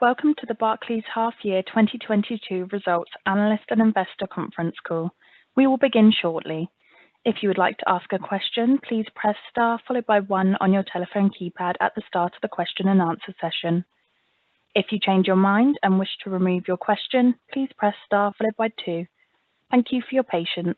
Welcome to the Barclays Half-Year 2022 Results Analyst and Investor Conference Call. We will begin shortly. If you would like to ask a question, please press star followed by one on your telephone keypad at the start of the question and answer session. If you change your mind and wish to remove your question, please press star followed by two. Thank you for your patience.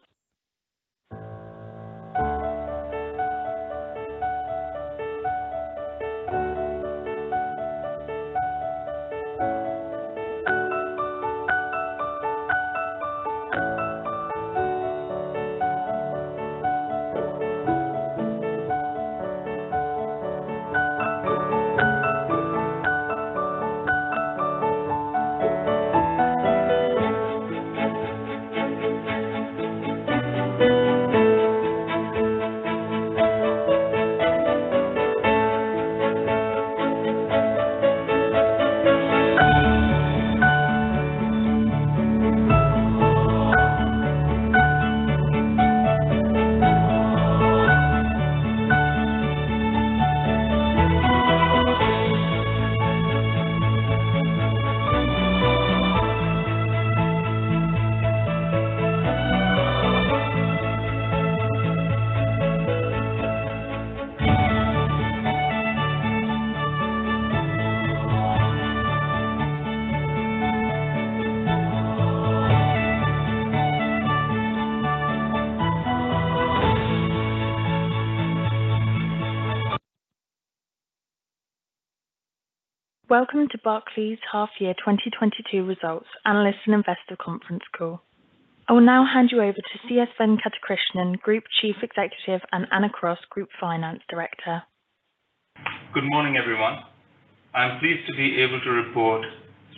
Welcome to Barclays Half-Year 2022 Results Analyst and Investor Conference Call. I will now hand you over to C.S. Venkatakrishnan, Group Chief Executive, and Anna Cross, Group Finance Director. Good morning, everyone. I'm pleased to be able to report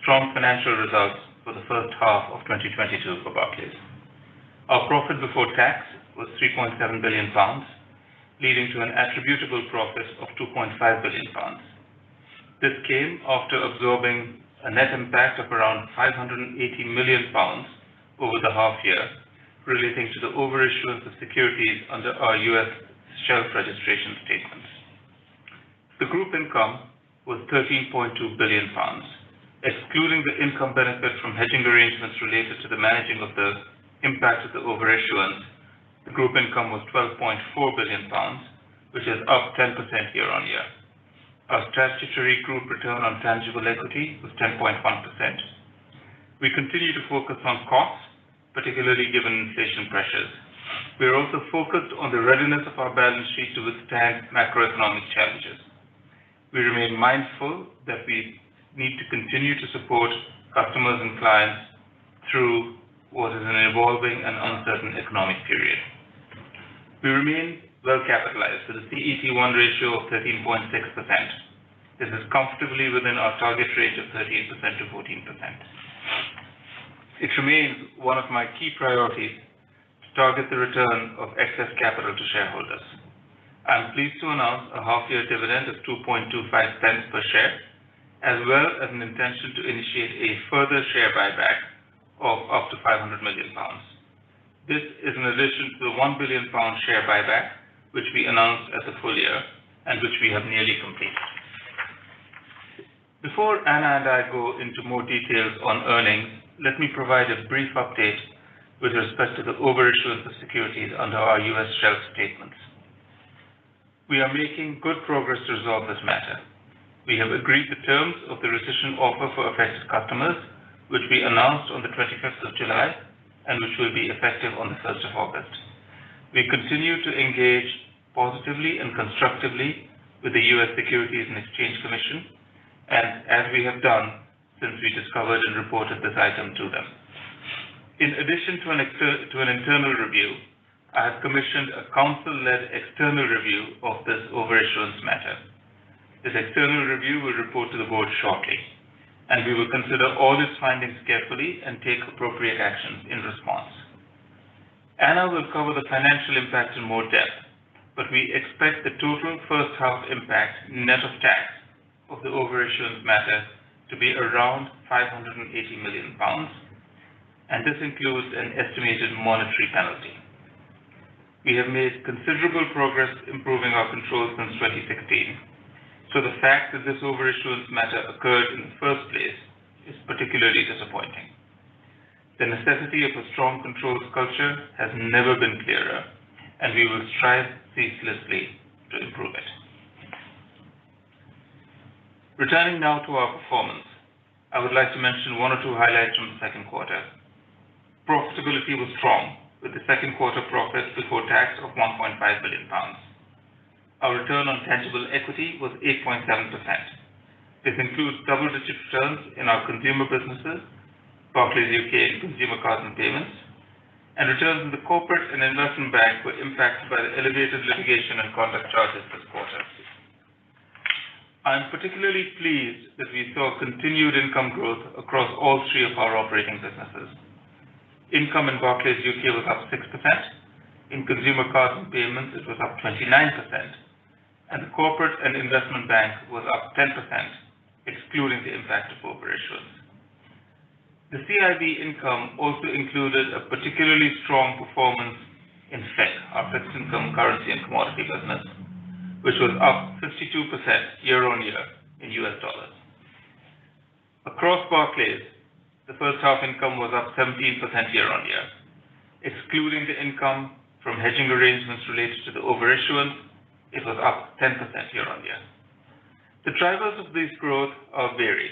strong financial results for the H1 of 2022 for Barclays. Our profit before tax was 3.7 billion pounds, leading to an attributable profit of 2.5 billion pounds. This came after absorbing a net impact of around 580 million pounds over the half year, relating to the overissuance of securities under our U.S. shelf registration statements. The group income was 13.2 billion pounds. Excluding the income benefit from hedging arrangements related to the managing of the impact of the overissuance, the group income was 12.4 billion pounds, which is up 10% year-on-year. Our statutory group return on tangible equity was 10.1%. We continue to focus on costs, particularly given inflation pressures. We are also focused on the readiness of our balance sheet to withstand macroeconomic challenges. We remain mindful that we need to continue to support customers and clients through what is an evolving and uncertain economic period. We remain well capitalized with a CET1 ratio of 13.6%. This is comfortably within our target range of 13%-14%. It remains one of my key priorities to target the return of excess capital to shareholders. I'm pleased to announce a half year dividend of 2.25 pence per share, as well as an intention to initiate a further share buyback of up to 500 million pounds. This is in addition to the 1 billion pound share buyback, which we announced at the full year and which we have nearly completed. Before Anna and I go into more details on earnings, let me provide a brief update with respect to the overissuance of securities under our U.S. shelf statements. We are making good progress to resolve this matter. We have agreed the terms of the rescission offer for affected customers, which we announced on the 25th of July and which will be effective on the 1st of August. We continue to engage positively and constructively with the U.S. Securities and Exchange Commission, and as we have done since we discovered and reported this item to them. In addition to an internal review, I have commissioned a counsel-led external review of this overissuance matter. This external review will report to the board shortly, and we will consider all its findings carefully and take appropriate actions in response. Anna will cover the financial impact in more depth, but we expect the total H1 impact net of tax of the overissuance matter to be around 580 million pounds, and this includes an estimated monetary penalty. We have made considerable progress improving our controls since 2016, so the fact that this overissuance matter occurred in the first place is particularly disappointing. The necessity of a strong controls culture has never been clearer, and we will strive ceaselessly to improve it. Returning now to our performance, I would like to mention one or two highlights from the Q2. Profitability was strong, with the Q2 profit before tax of 1.5 billion pounds. Our return on tangible equity was 8.7%. This includes double-digit returns in our consumer businesses, Barclays UK and Consumer, Cards & Payments. Returns in the Corporate and Investment Bank were impacted by the elevated litigation and conduct charges this quarter. I am particularly pleased that we saw continued income growth across all three of our operating businesses. Income in Barclays UK was up 6%. In Consumer, Cards & Payments, it was up 29%. The Corporate and Investment Bank was up 10%, excluding the impact of the overissuance. The CIB income also included a particularly strong performance in FICC, our fixed income currency and commodity business, which was up 52% year-on-year in US dollars. Across Barclays, the H1 income was up 17% year-on-year. Excluding the income from hedging arrangements related to the overissuance, it was up 10% year-on-year. The drivers of this growth are varied,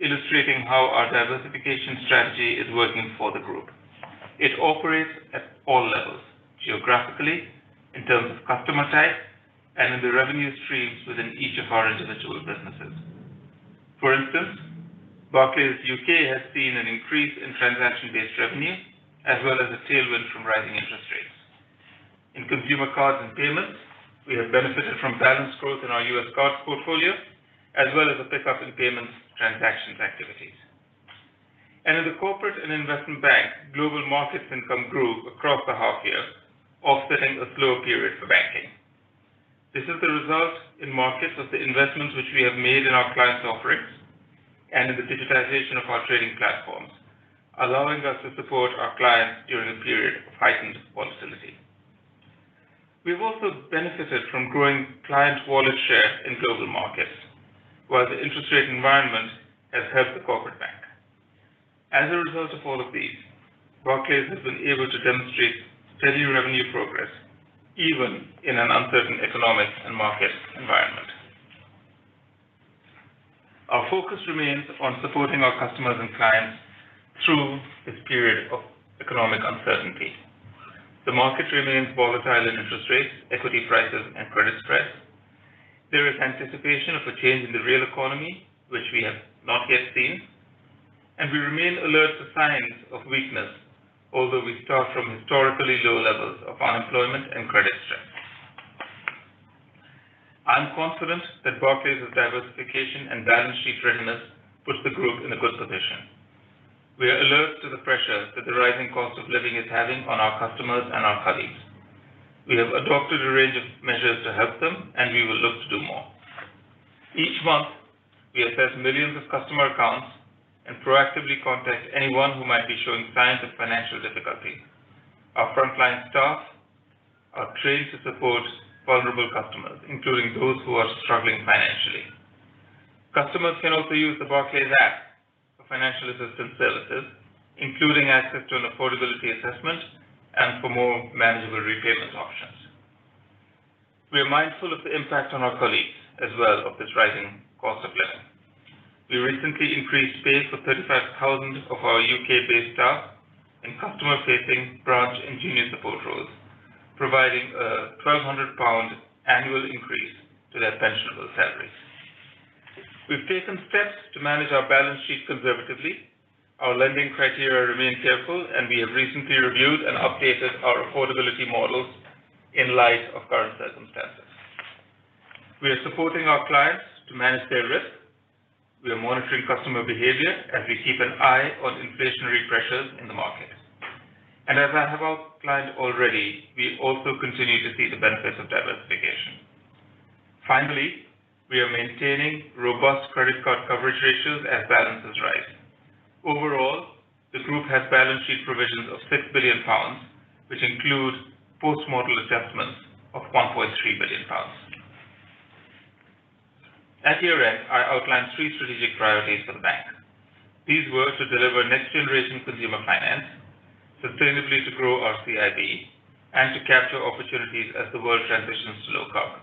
illustrating how our diversification strategy is working for the group. It operates at all levels, geographically, in terms of customer type, and in the revenue streams within each of our individual businesses. For instance, Barclays UK has seen an increase in transaction-based revenue as well as a tailwind from rising interest rates. In Consumer, Cards & Payments, we have benefited from balance growth in our US card portfolio, as well as a pickup in payments transactions activities. In the Corporate and Investment Bank, global markets income grew across the half year, offsetting a slow period for banking. This is the result in markets of the investments which we have made in our clients' offerings and in the digitization of our trading platforms, allowing us to support our clients during a period of heightened volatility. We've also benefited from growing client wallet share in global markets, while the interest rate environment has helped the corporate bank. As a result of all of these, Barclays has been able to demonstrate steady revenue progress, even in an uncertain economic and market environment. Our focus remains on supporting our customers and clients through this period of economic uncertainty. The market remains volatile in interest rates, equity prices, and credit spreads. There is anticipation of a change in the real economy, which we have not yet seen, and we remain alert to signs of weakness, although we start from historically low levels of unemployment and credit stress. I'm confident that Barclays' diversification and balance sheet readiness puts the group in a good position. We are alert to the pressures that the rising cost of living is having on our customers and our colleagues. We have adopted a range of measures to help them, and we will look to do more. Each month, we assess millions of customer accounts and proactively contact anyone who might be showing signs of financial difficulty. Our frontline staff are trained to support vulnerable customers, including those who are struggling financially. Customers can also use the Barclays app for financial assistance services, including access to an affordability assessment and for more manageable repayment options. We are mindful of the impact on our colleagues as well of this rising cost of living. We recently increased pay for 35,000 of our UK-based staff in customer-facing branch and junior support roles, providing a 1,200 pound annual increase to their pensionable salaries. We've taken steps to manage our balance sheet conservatively. Our lending criteria remain careful, and we have recently reviewed and updated our affordability models in light of current circumstances. We are supporting our clients to manage their risk. We are monitoring customer behavior as we keep an eye on inflationary pressures in the market. As I have outlined already, we also continue to see the benefits of diversification. Finally, we are maintaining robust credit card coverage ratios as balances rise. Overall, the group has balance sheet provisions of 6 billion pounds, which include post-model adjustments of 1.3 billion pounds. At year-end, I outlined three strategic priorities for the bank. These were to deliver next generation consumer finance, sustainably to grow our CIB, and to capture opportunities as the world transitions to low carbon.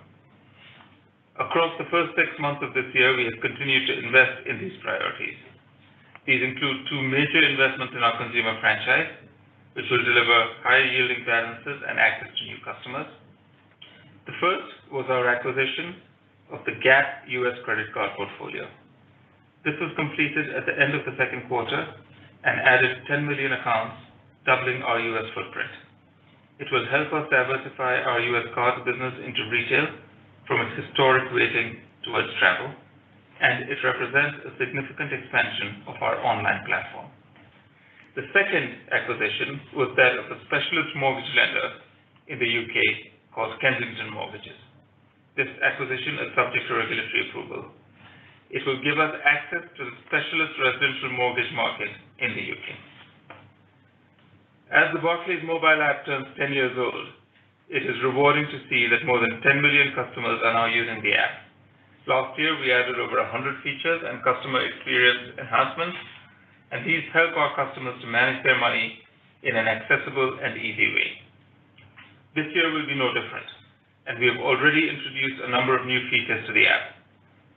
Across the first six months of this year, we have continued to invest in these priorities. These include two major investments in our consumer franchise, which will deliver higher yielding balances and access to new customers. The first was our acquisition of the Gap US credit card portfolio. This was completed at the end of the Q2 and added 10 million accounts, doubling our US footprint. It will help us diversify our US card business into retail from its historic weighting towards travel, and it represents a significant expansion of our online platform. The second acquisition was that of a specialist mortgage lender in the UK called Kensington Mortgages. This acquisition is subject to regulatory approval. It will give us access to the specialist residential mortgage market in the UK. As the Barclays mobile app turns 10 years old, it is rewarding to see that more than 10 million customers are now using the app. Last year, we added over 100 features and customer experience enhancements, and these help our customers to manage their money in an accessible and easy way. This year will be no different, and we have already introduced a number of new features to the app.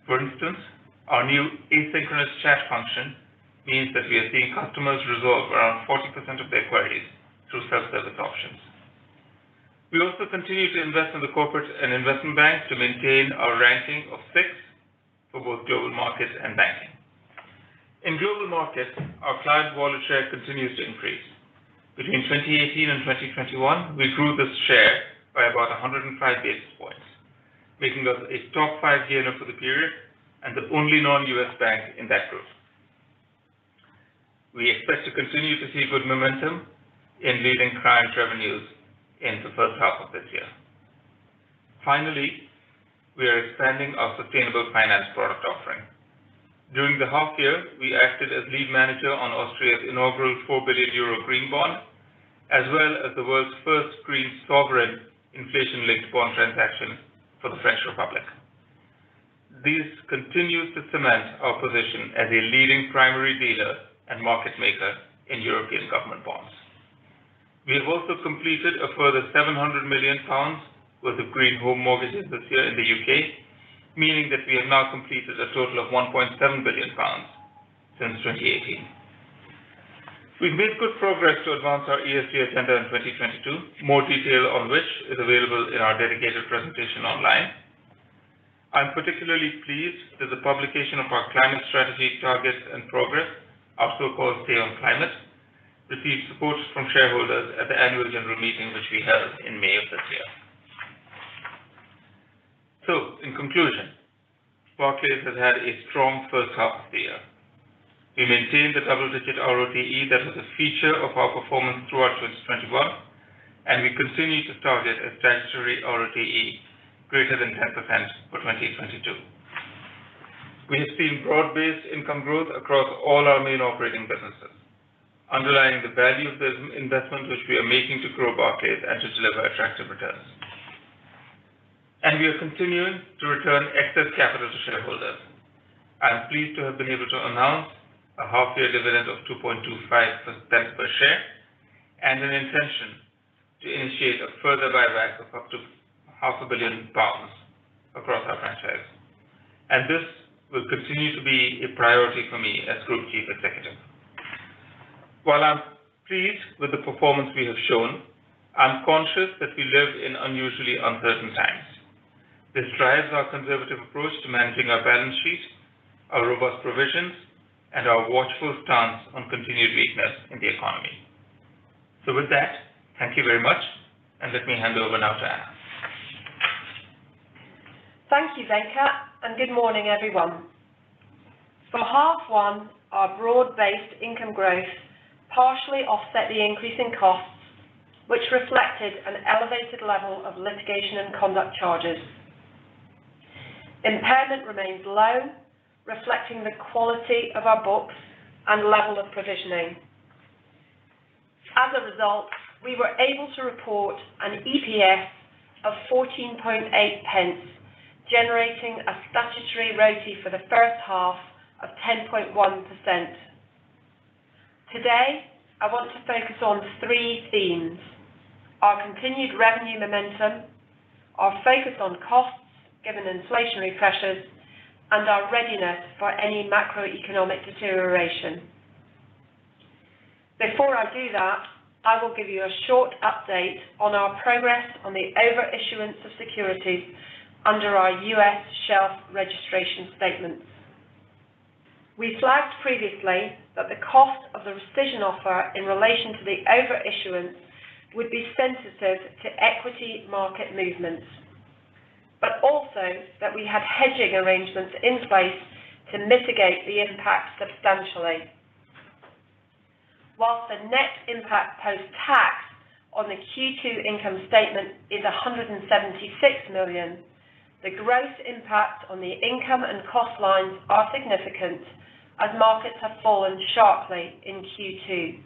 For instance, our new asynchronous chat function means that we are seeing customers resolve around 40% of their queries through self-service options. We also continue to invest in the Corporate and Investment Bank to maintain our ranking of 6th for both global markets and banking. In global markets, our client wallet share continues to increase. Between 2018 and 2021, we grew this share by about 105 basis points, making us a top five gainer for the period and the only non-US bank in that group. We expect to continue to see good momentum in leading client revenues in the H1 of this year. Finally, we are expanding our sustainable finance product offering. During the half year, we acted as lead manager on Austria's inaugural 4 billion euro green bond, as well as the world's first green sovereign inflation-linked bond transaction for the French Republic. This continues to cement our position as a leading primary dealer and market maker in European government bonds. We have also completed a further 700 million pounds worth of green home mortgages this year in the U.K., meaning that we have now completed a total of 1.7 billion pounds since 2018. We've made good progress to advance our ESG agenda in 2022. More detail on which is available in our dedicated presentation online. I'm particularly pleased that the publication of our climate strategy targets and progress, our so-called Say on Climate, received support from shareholders at the annual general meeting, which we held in May of this year. In conclusion, Barclays has had a strong H1 of the year. We maintained the double-digit RoTE that was a feature of our performance throughout 2021, and we continue to target a statutory RoTE greater than 10% for 2022. We have seen broad-based income growth across all our main operating businesses, underlying the value of the investment which we are making to grow Barclays and to deliver attractive returns. We are continuing to return excess capital to shareholders. I am pleased to have been able to announce a half year dividend of 2.25 pence per share and an intention to initiate a further buyback of up to half a billion pounds across our franchise. This will continue to be a priority for me as Group Chief Executive. While I'm pleased with the performance we have shown, I'm conscious that we live in unusually uncertain times. This drives our conservative approach to managing our balance sheet, our robust provisions, and our watchful stance on continued weakness in the economy. With that, thank you very much, and let me hand over now to Anna. Thank you, Venkat, and good morning, everyone. For half one, our broad-based income growth partially offset the increase in costs, which reflected an elevated level of litigation and conduct charges. Impairment remains low, reflecting the quality of our books and level of provisioning. As a result, we were able to report an EPS of 0.148, generating a statutory RoTE for the H1 of 10.1%. Today, I want to focus on three themes, our continued revenue momentum, our focus on costs given inflationary pressures, and our readiness for any macroeconomic deterioration. Before I do that, I will give you a short update on our progress on the overissuance of securities under our U.S. shelf registration statements. We flagged previously that the cost of the rescission offer in relation to the overissuance would be sensitive to equity market movements, but also that we have hedging arrangements in place to mitigate the impact substantially. While the net impact post-tax on the Q2 income statement is 176 million, the gross impact on the income and cost lines are significant as markets have fallen sharply in Q2.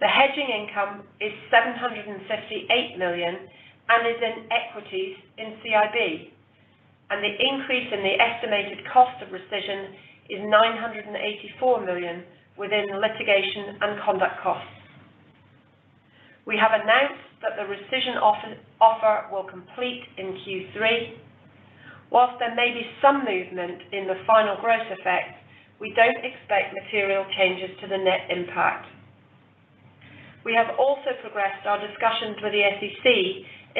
The hedging income is 758 million and is in equities in CIB, and the increase in the estimated cost of rescission is 984 million within the litigation and conduct costs. We have announced that the rescission offer will complete in Q3. While there may be some movement in the final gross effect, we don't expect material changes to the net impact. We have also progressed our discussions with the SEC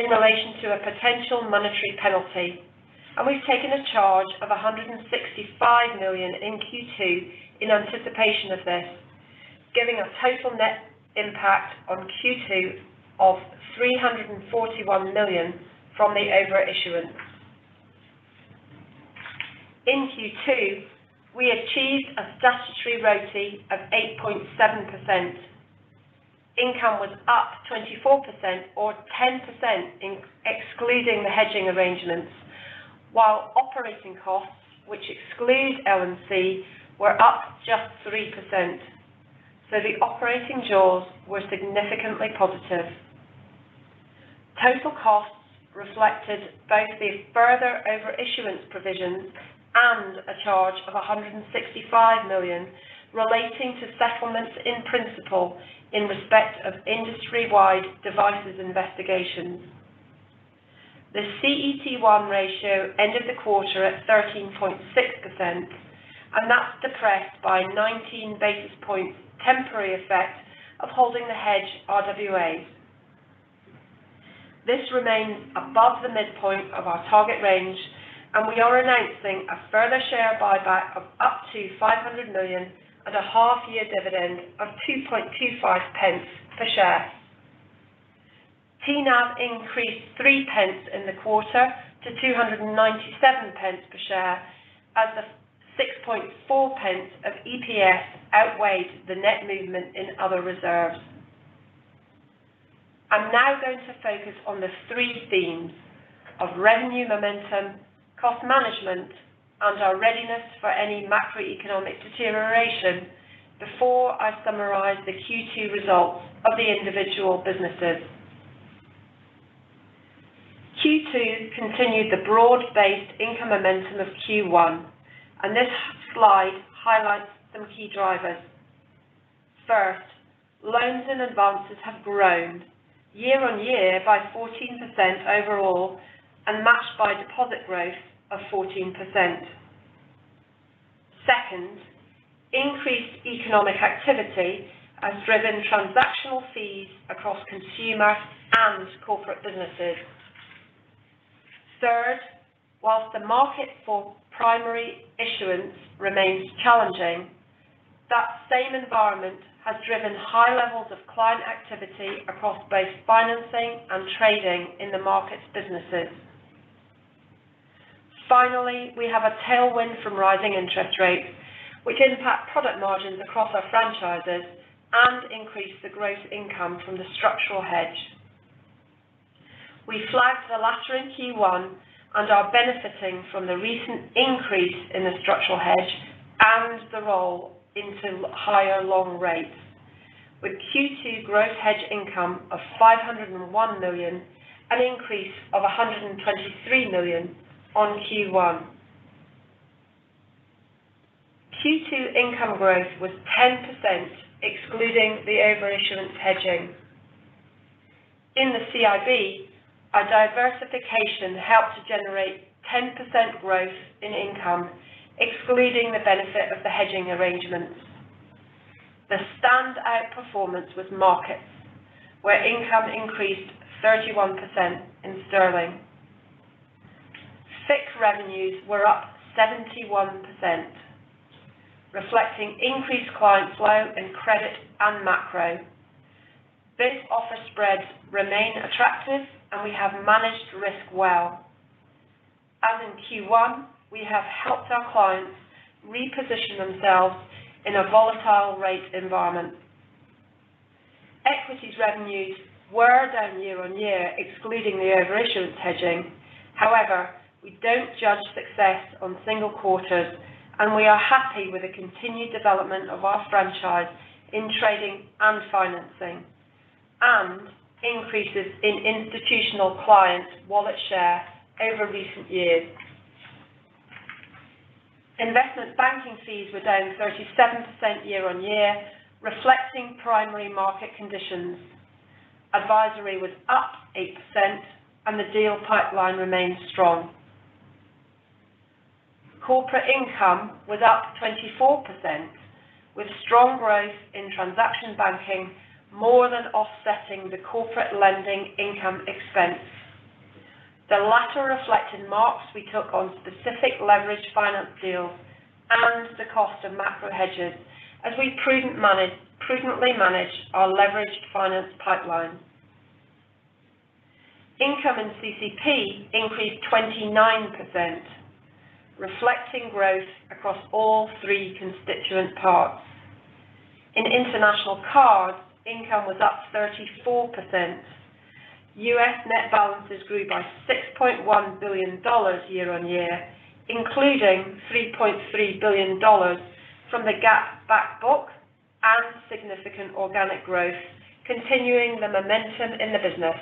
in relation to a potential monetary penalty, and we've taken a charge of 165 million in Q2 in anticipation of this, giving a total net impact on Q2 of 341 million from the overissuance. In Q2, we achieved a statutory RoTE of 8.7%. Income was up 24% or 10% excluding the hedging arrangements, while operating costs, which exclude L&C, were up just 3%. The operating jaws were significantly positive. Total costs reflected both the further overissuance provisions and a charge of 165 million relating to settlements in principle in respect of industry-wide devices investigations. The CET1 ratio ended the quarter at 13.6%, and that's depressed by 19 basis points temporary effect of holding the hedge RWAs. This remains above the midpoint of our target range, and we are announcing a further share buyback of up to 500 million and a half year dividend of 0.0225 per share. TNAV increased 0.03 in the quarter to 2.97 per share as the 6.4 pence of EPS outweighed the net movement in other reserves. I'm now going to focus on the three themes of revenue momentum, cost management, and our readiness for any macroeconomic deterioration before I summarize the Q2 results of the individual businesses. Q2 continued the broad-based income momentum of Q1, and this slide highlights some key drivers. First, loans and advances have grown year-on-year by 14% overall and matched by deposit growth of 14%. Second, increased economic activity has driven transactional fees across consumer and corporate businesses. Third, while the market for primary issuance remains challenging, that same environment has driven high levels of client activity across both financing and trading in the markets businesses. Finally, we have a tailwind from rising interest rates, which impact product margins across our franchises and increase the gross income from the structural hedge. We flagged the latter in Q1 and are benefiting from the recent increase in the structural hedge and the roll into higher long rates with Q2 gross hedge income of 501 million, an increase of 123 million on Q1. Q2 income growth was 10% excluding the overissuance hedging. In the CIB, our diversification helped to generate 10% growth in income, excluding the benefit of the hedging arrangements. The standout performance was markets, where income increased 31% in sterling. FICC revenues were up 71%, reflecting increased client flow in credit and macro. FICC offer spreads remain attractive, and we have managed risk well. As in Q1, we have helped our clients reposition themselves in a volatile rate environment. Equities revenues were down year-on-year, excluding the overissuance hedging. However, we don't judge success on single quarters, and we are happy with the continued development of our franchise in trading and financing and increases in institutional clients wallet share over recent years. Investment banking fees were down 37% year-on-year, reflecting primary market conditions. Advisory was up 8% and the deal pipeline remains strong. Corporate income was up 24% with strong growth in transaction banking more than offsetting the corporate lending income expense. The latter reflected marks we took on specific leveraged finance deals and the cost of macro hedges as we prudently manage our leveraged finance pipeline. Income in CC&P increased 29%, reflecting growth across all three constituent parts. In international cards, income was up 34%. U.S. net balances grew by $6.1 billion year-on-year, including $3.3 billion from the Gap back book and significant organic growth, continuing the momentum in the business.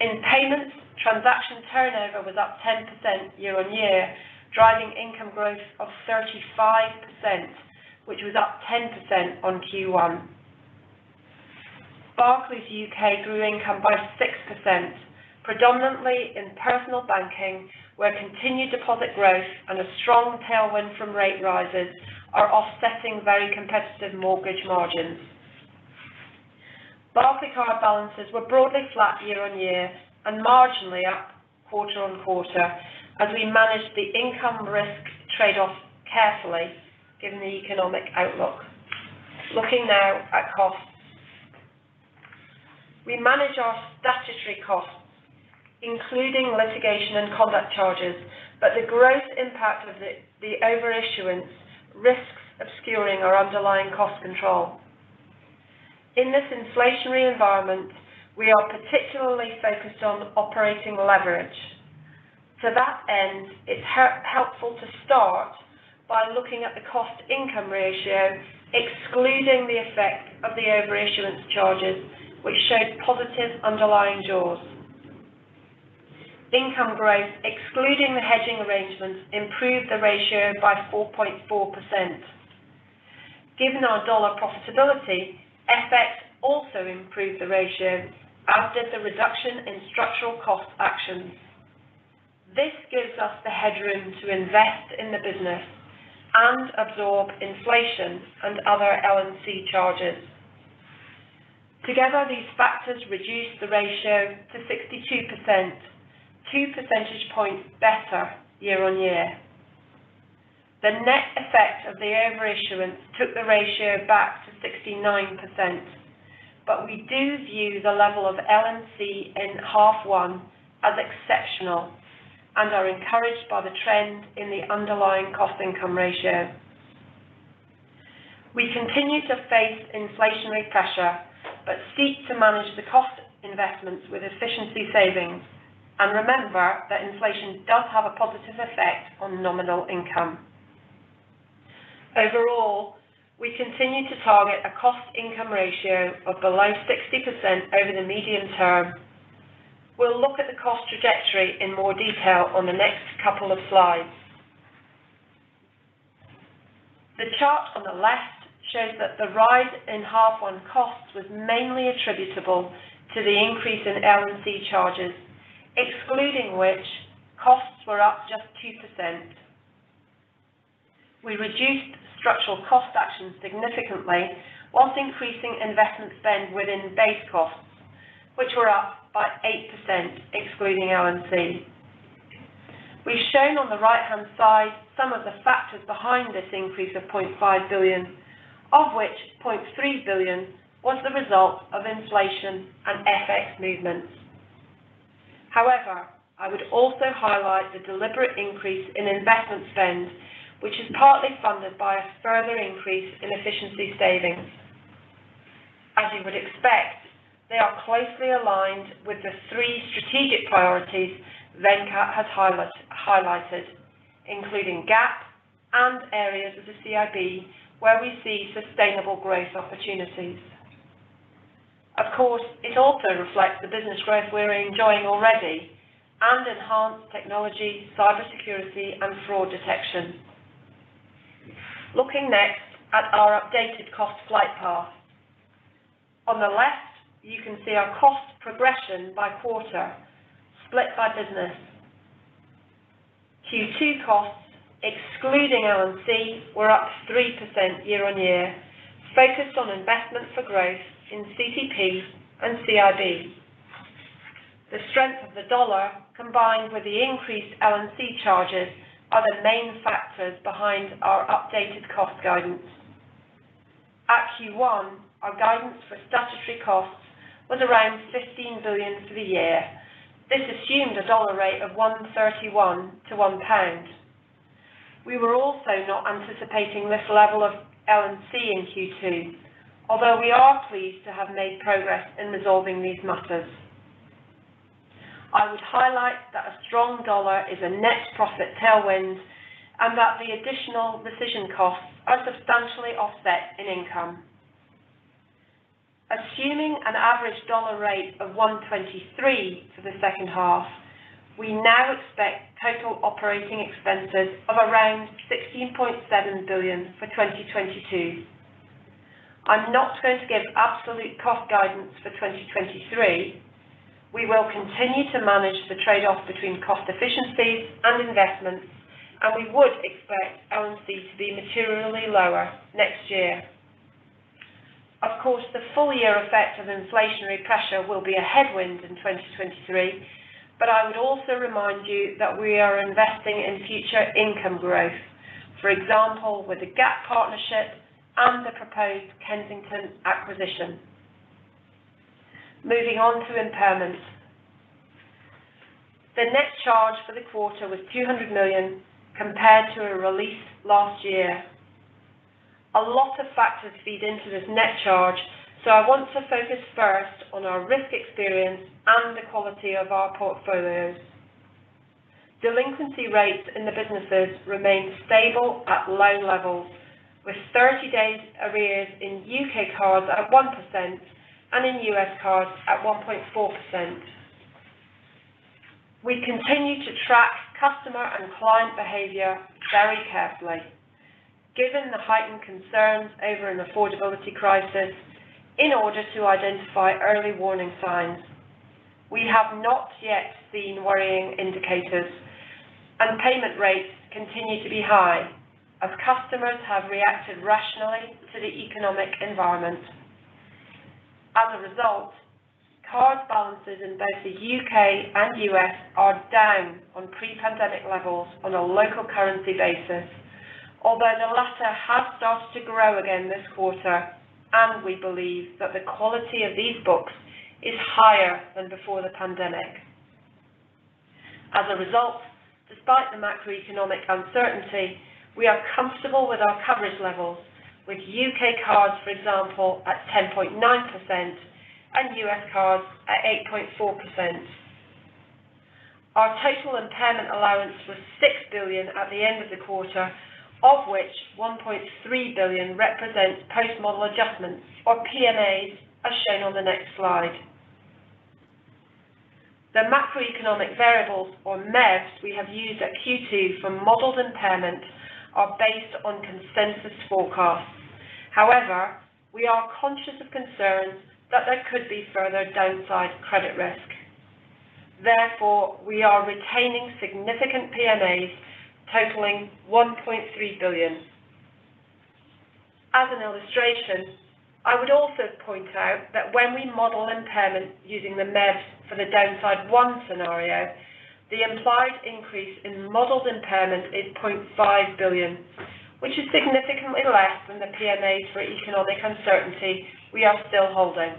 In payments, transaction turnover was up 10% year-on-year, driving income growth of 35%, which was up 10% on Q1. Barclays UK grew income by 6%, predominantly in personal banking, where continued deposit growth and a strong tailwind from rate rises are offsetting very competitive mortgage margins. Barclaycard balances were broadly flat year-over-year and marginally up quarter-over-quarter as we managed the income risk trade-off carefully given the economic outlook. Looking now at costs. We manage our statutory costs, including litigation and conduct charges, but the growth impact of the overissuance risks obscuring our underlying cost control. In this inflationary environment, we are particularly focused on operating leverage. To that end, it's helpful to start by looking at the cost income ratio, excluding the effect of the overissuance charges, which showed positive underlying jaws. Income growth, excluding the hedging arrangements, improved the ratio by 4.4%. Given our dollar profitability, FX also improved the ratio, as did the reduction in structural cost actions. This gives us the headroom to invest in the business and absorb inflation and other L&C charges. Together, these factors reduced the ratio to 62%, 2 percentage points better year-on-year. The net effect of the overissuance took the ratio back to 69%. We do view the level of L&C in half one as exceptional and are encouraged by the trend in the underlying cost income ratio. We continue to face inflationary pressure, but seek to manage the cost investments with efficiency savings and remember that inflation does have a positive effect on nominal income. Overall, we continue to target a cost income ratio of below 60% over the medium term. We'll look at the cost trajectory in more detail on the next couple of slides. The chart on the left shows that the rise in half one costs was mainly attributable to the increase in L&C charges, excluding which costs were up just 2%. We reduced structural cost actions significantly, while increasing investment spend within base costs, which were up 8% excluding L&C. We've shown on the right-hand side some of the factors behind this increase of 0.5 billion, of which 0.3 billion was the result of inflation and FX movements. However, I would also highlight the deliberate increase in investment spend, which is partly funded by a further increase in efficiency savings. As you would expect, they are closely aligned with the three strategic priorities Venkat has highlighted, including GAP and areas of the CIB where we see sustainable growth opportunities. Of course, it also reflects the business growth we're enjoying already and enhanced technology, cybersecurity, and fraud detection. Looking next at our updated cost flight path. On the left you can see our cost progression by quarter split by business. Q2 costs excluding L&C were up 3% year-on-year, focused on investment for growth in CC&P and CIB. The strength of the dollar combined with the increased L&C charges are the main factors behind our updated cost guidance. At Q1, our guidance for statutory costs was around 15 billion for the year. This assumed a dollar rate of 1.31-1 pound. We were also not anticipating this level of L&C in Q2, although we are pleased to have made progress in resolving these matters. I would highlight that a strong dollar is a net profit tailwind and that the additional L&C costs are substantially offset in income. Assuming an average dollar rate of 1.23 for the H2, we now expect total operating expenses of around 16.7 billion for 2022. I'm not going to give absolute cost guidance for 2023. We will continue to manage the trade-off between cost efficiencies and investments and we would expect L&C to be materially lower next year. Of course, the full year effect of inflationary pressure will be a headwind in 2023, but I would also remind you that we are investing in future income growth, for example, with the Gap partnership and the proposed Kensington acquisition. Moving on to impairments. The net charge for the quarter was 200 million compared to a release last year. A lot of factors feed into this net charge, so I want to focus first on our risk experience and the quality of our portfolios. Delinquency rates in the businesses remain stable at low levels with 30-day arrears in U.K. cards at 1% and in U.S. cards at 1.4%. We continue to track customer and client behavior very carefully given the heightened concerns over an affordability crisis in order to identify early warning signs. We have not yet seen worrying indicators and payment rates continue to be high as customers have reacted rationally to the economic environment. As a result, card balances in both the U.K. and U.S. are down on pre-pandemic levels on a local currency basis, although the latter has started to grow again this quarter and we believe that the quality of these books is higher than before the pandemic. As a result, despite the macroeconomic uncertainty, we are comfortable with our coverage levels with U.K. cards, for example, at 10.9% and U.S. cards at 8.4%. Our total impairment allowance was 6 billion at the end of the quarter, of which 1.3 billion represents post model adjustments or PMAs as shown on the next slide. The macroeconomic variables or MEVs we have used at Q2 for modeled impairment are based on consensus forecasts. However, we are conscious of concerns that there could be further downside credit risk. Therefore, we are retaining significant PMAs totaling 1.3 billion. As an illustration, I would also point out that when we model impairment using the MEV for the downside one scenario, the implied increase in modeled impairment is 0.5 billion, which is significantly less than the PMAs for economic uncertainty we are still holding.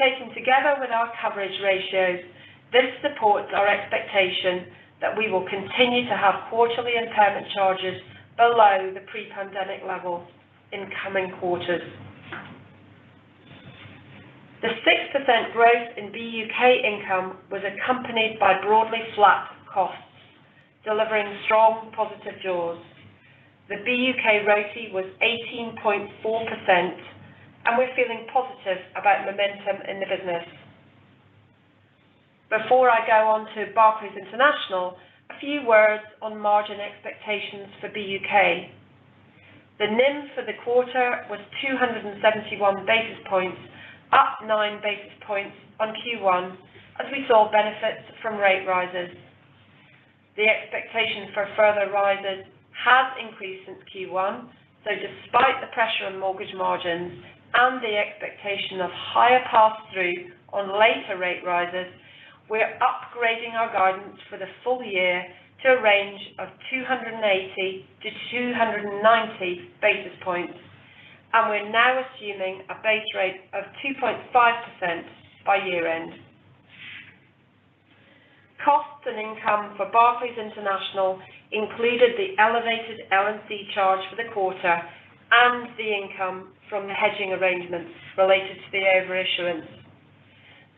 Taken together with our coverage ratios, this supports our expectation that we will continue to have quarterly impairment charges below the pre-pandemic level in coming quarters. The 6% growth in BUK income was accompanied by broadly flat costs, delivering strong positive jaws. The BUK ROTCE was 18.4% and we're feeling positive about momentum in the business. Before I go on to Barclays International, a few words on margin expectations for BUK. The NIM for the quarter was 271 basis points, up 9 basis points on Q1 as we saw benefits from rate rises. The expectation for further rises has increased since Q1, so despite the pressure on mortgage margins and the expectation of higher pass-through on later rate rises, we're upgrading our guidance for the full year to a range of 280-290 basis points, and we're now assuming a base rate of 2.5% by year end. Costs and income for Barclays International included the elevated L&C charge for the quarter and the income from the hedging arrangements related to the overissuance.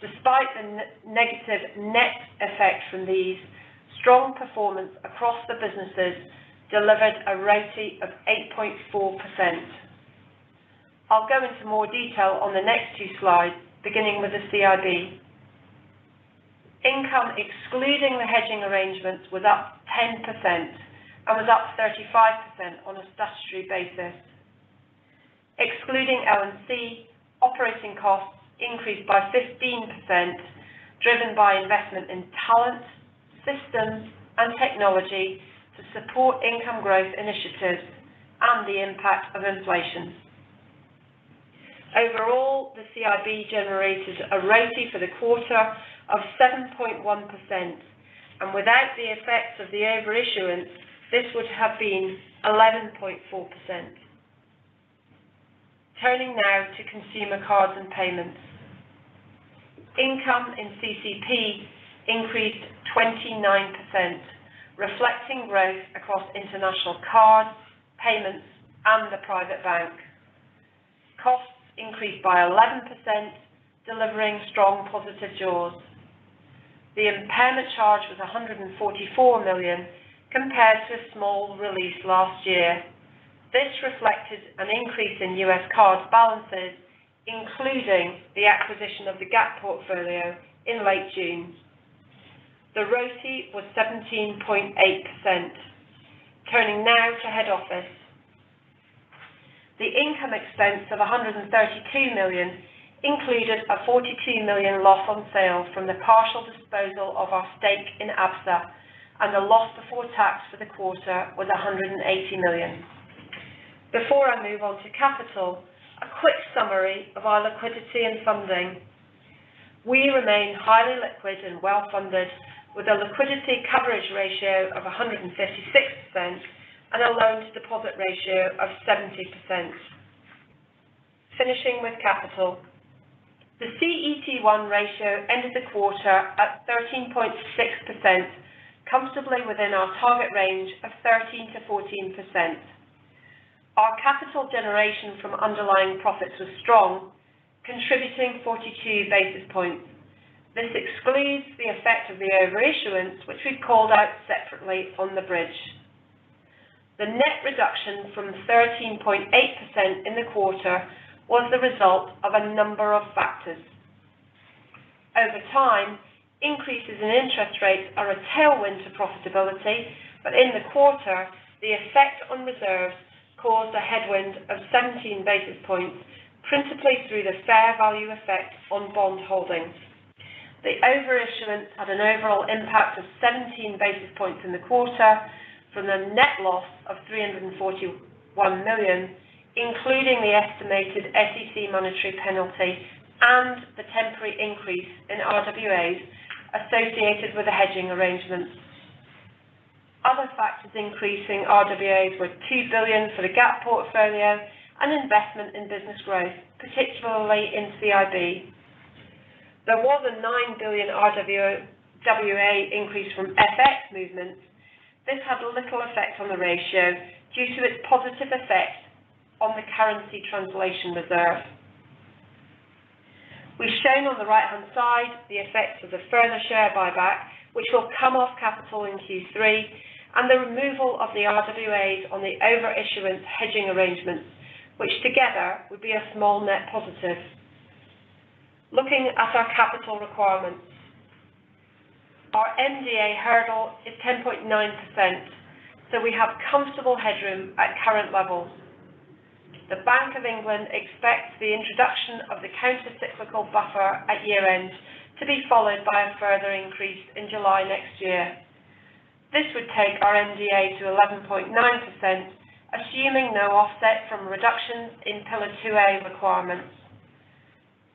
Despite the negative net effect from these, strong performance across the businesses delivered a ROTCE of 8.4%. I'll go into more detail on the next two slides, beginning with the CIB. Income excluding the hedging arrangements was up 10% and was up 35% on a statutory basis. Excluding L&C, operating costs increased by 15%, driven by investment in talent, systems, and technology to support income growth initiatives and the impact of inflation. Overall, the CIB generated a ROTCE for the quarter of 7.1%. Without the effects of the overissuance, this would have been 11.4%. Turning now to Consumer, Cards & Payments. Income in CC&P increased 29%, reflecting growth across international cards, payments, and the private bank. Costs increased by 11%, delivering strong positive jaws. The impairment charge was 144 million, compared to a small release last year. This reflected an increase in U.S. card balances, including the acquisition of the Gap portfolio in late June. The ROTCE was 17.8%. Turning now to head office. The income expense of 132 million included a 42 million loss on sale from the partial disposal of our stake in Absa, and the loss before tax for the quarter was 180 million. Before I move on to capital, a quick summary of our liquidity and funding. We remain highly liquid and well-funded with a liquidity coverage ratio of 136% and a loan to deposit ratio of 70%. Finishing with capital. The CET1 ratio ended the quarter at 13.6%, comfortably within our target range of 13%-14%. Our capital generation from underlying profits was strong, contributing 42 basis points. This excludes the effect of the overissuance, which we've called out separately on the bridge. The net reduction from 13.8% in the quarter was the result of a number of factors. Over time, increases in interest rates are a tailwind to profitability, but in the quarter, the effect on reserves caused a headwind of 17 basis points, principally through the fair value effect on bond holdings. The overissuance had an overall impact of 17 basis points in the quarter from the net loss of 341 million, including the estimated SEC monetary penalty and the temporary increase in RWAs associated with the hedging arrangements. Other factors increasing RWAs were 2 billion for the Gap portfolio and investment in business growth, particularly in CIB. The more than 9 billion RWA increase from FX movements, this had little effect on the ratio due to its positive effect on the currency translation reserve. We've shown on the right-hand side the effects of the further share buyback which will come off capital in Q3 and the removal of the RWAs on the overissuance hedging arrangements, which together would be a small net positive. Looking at our capital requirements. Our MDA hurdle is 10.9%, so we have comfortable headroom at current levels. The Bank of England expects the introduction of the countercyclical buffer at year-end to be followed by a further increase in July next year. This would take our MDA to 11.9%, assuming no offset from reductions in Pillar 2A requirements.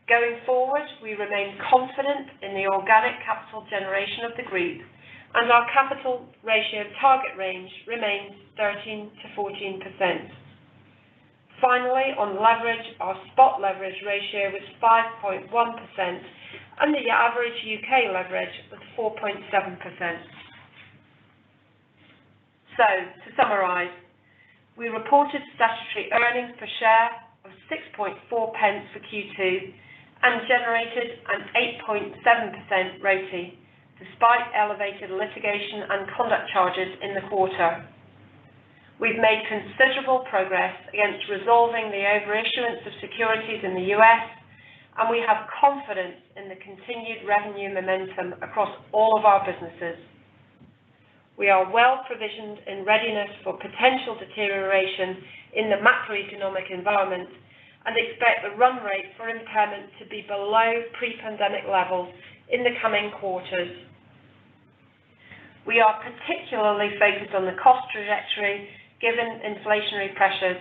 Going forward, we remain confident in the organic capital generation of the group and our capital ratio target range remains 13%-14%. Finally, on leverage, our spot leverage ratio was 5.1% and the average UK leverage was 4.7%. To summarize, we reported statutory earnings per share of 6.4 pence for Q2 and generated an 8.7% ROTE despite elevated litigation and conduct charges in the quarter. We've made considerable progress against resolving the overissuance of securities in the U.S., and we have confidence in the continued revenue momentum across all of our businesses. We are well provisioned in readiness for potential deterioration in the macroeconomic environment and expect the run rate for impairment to be below pre-pandemic levels in the coming quarters. We are particularly focused on the cost trajectory given inflationary pressures.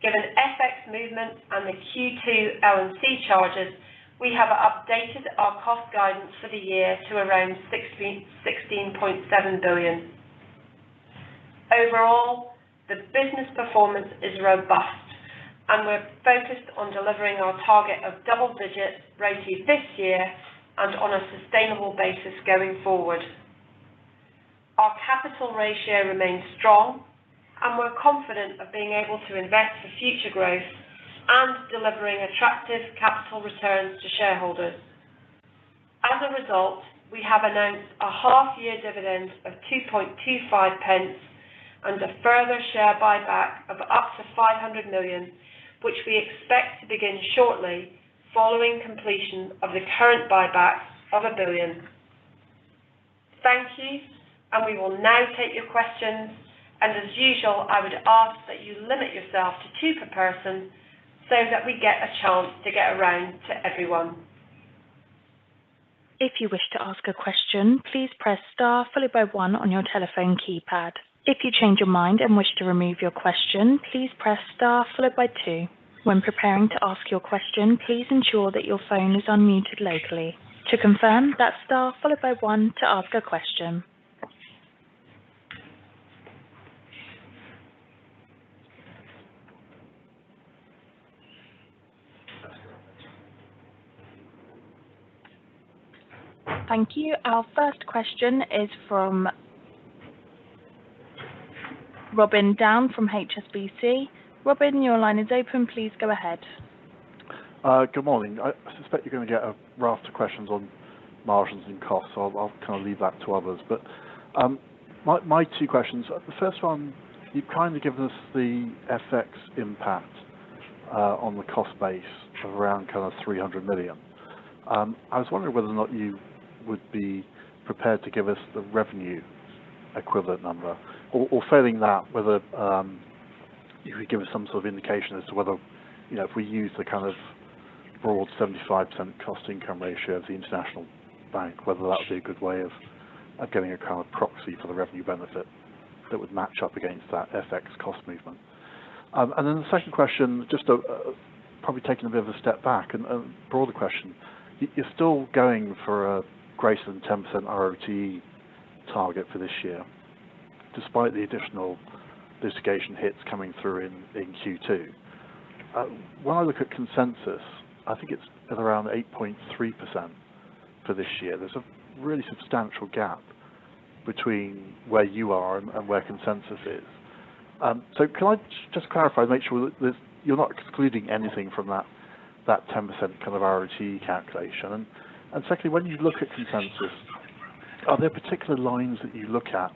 Given FX movements and the Q2 L&C charges, we have updated our cost guidance for the year to around 16.7 billion. Overall, the business performance is robust and we're focused on delivering our target of double-digit ROTE this year and on a sustainable basis going forward. Our capital ratio remains strong and we're confident of being able to invest for future growth and delivering attractive capital returns to shareholders. As a result, we have announced a half year dividend of 2.25 pence and a further share buyback of up to 500 million, which we expect to begin shortly following completion of the current buyback of 1 billion. Thank you. We will now take your questions. As usual, I would ask that you limit yourself to two per person so that we get a chance to get around to everyone. If you wish to ask a question, please press star followed by one on your telephone keypad. If you change your mind and wish to remove your question, please press star followed by two. When preparing to ask your question, please ensure that your phone is unmuted locally. To confirm, that's Star followed by one to ask a question. Thank you. Our first question is from Robin Down from HSBC. Robin, your line is open. Please go ahead. Good morning. I suspect you're going to get a raft of questions on margins and costs. I'll kind of leave that to others. My two questions. The first one, you've kind of given us the FX impact on the cost base of around kind of 300 million. I was wondering whether or not you would be prepared to give us the revenue equivalent number. Failing that, whether you could give us some sort of indication as to whether, you know, if we use the kind of broad 75% cost income ratio of the international bank, whether that would be a good way of getting a kind of proxy for the revenue benefit that would match up against that FX cost movement. The second question, just probably taking a bit of a step back and a broader question. You're still going for a greater than 10% ROTE target for this year, despite the additional litigation hits coming through in Q2. When I look at consensus, I think it's at around 8.3% for this year. There's a really substantial gap between where you are and where consensus is. Can I just clarify to make sure that you're not excluding anything from that 10% kind of ROTE calculation? And secondly, when you look at consensus, are there particular lines that you look at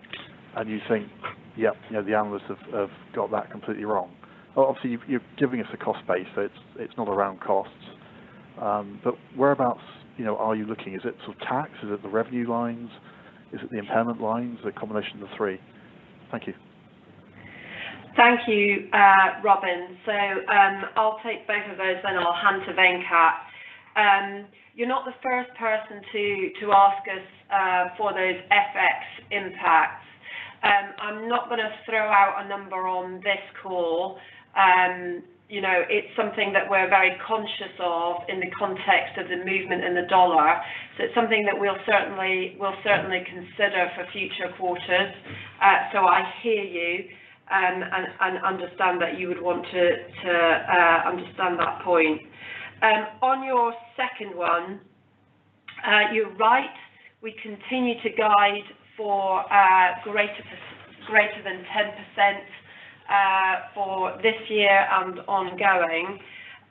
and you think, "Yep, you know, the analysts have got that completely wrong." Obviously, you're giving us a cost base, so it's not around costs. Whereabouts, you know, are you looking? Is it sort of tax? Is it the revenue lines? Is it the impairment lines? A combination of the three. Thank you. Thank you, Robin. I'll take both of those, then I'll hand to Venkat. You're not the first person to ask us for those FX impacts. I'm not going to throw out a number on this call. You know, it's something that we're very conscious of in the context of the movement in the US dollar. It's something that we'll certainly consider for future quarters. I hear you and understand that you would want to understand that point. On your second one, you're right, we continue to guide for greater than 10% for this year and ongoing.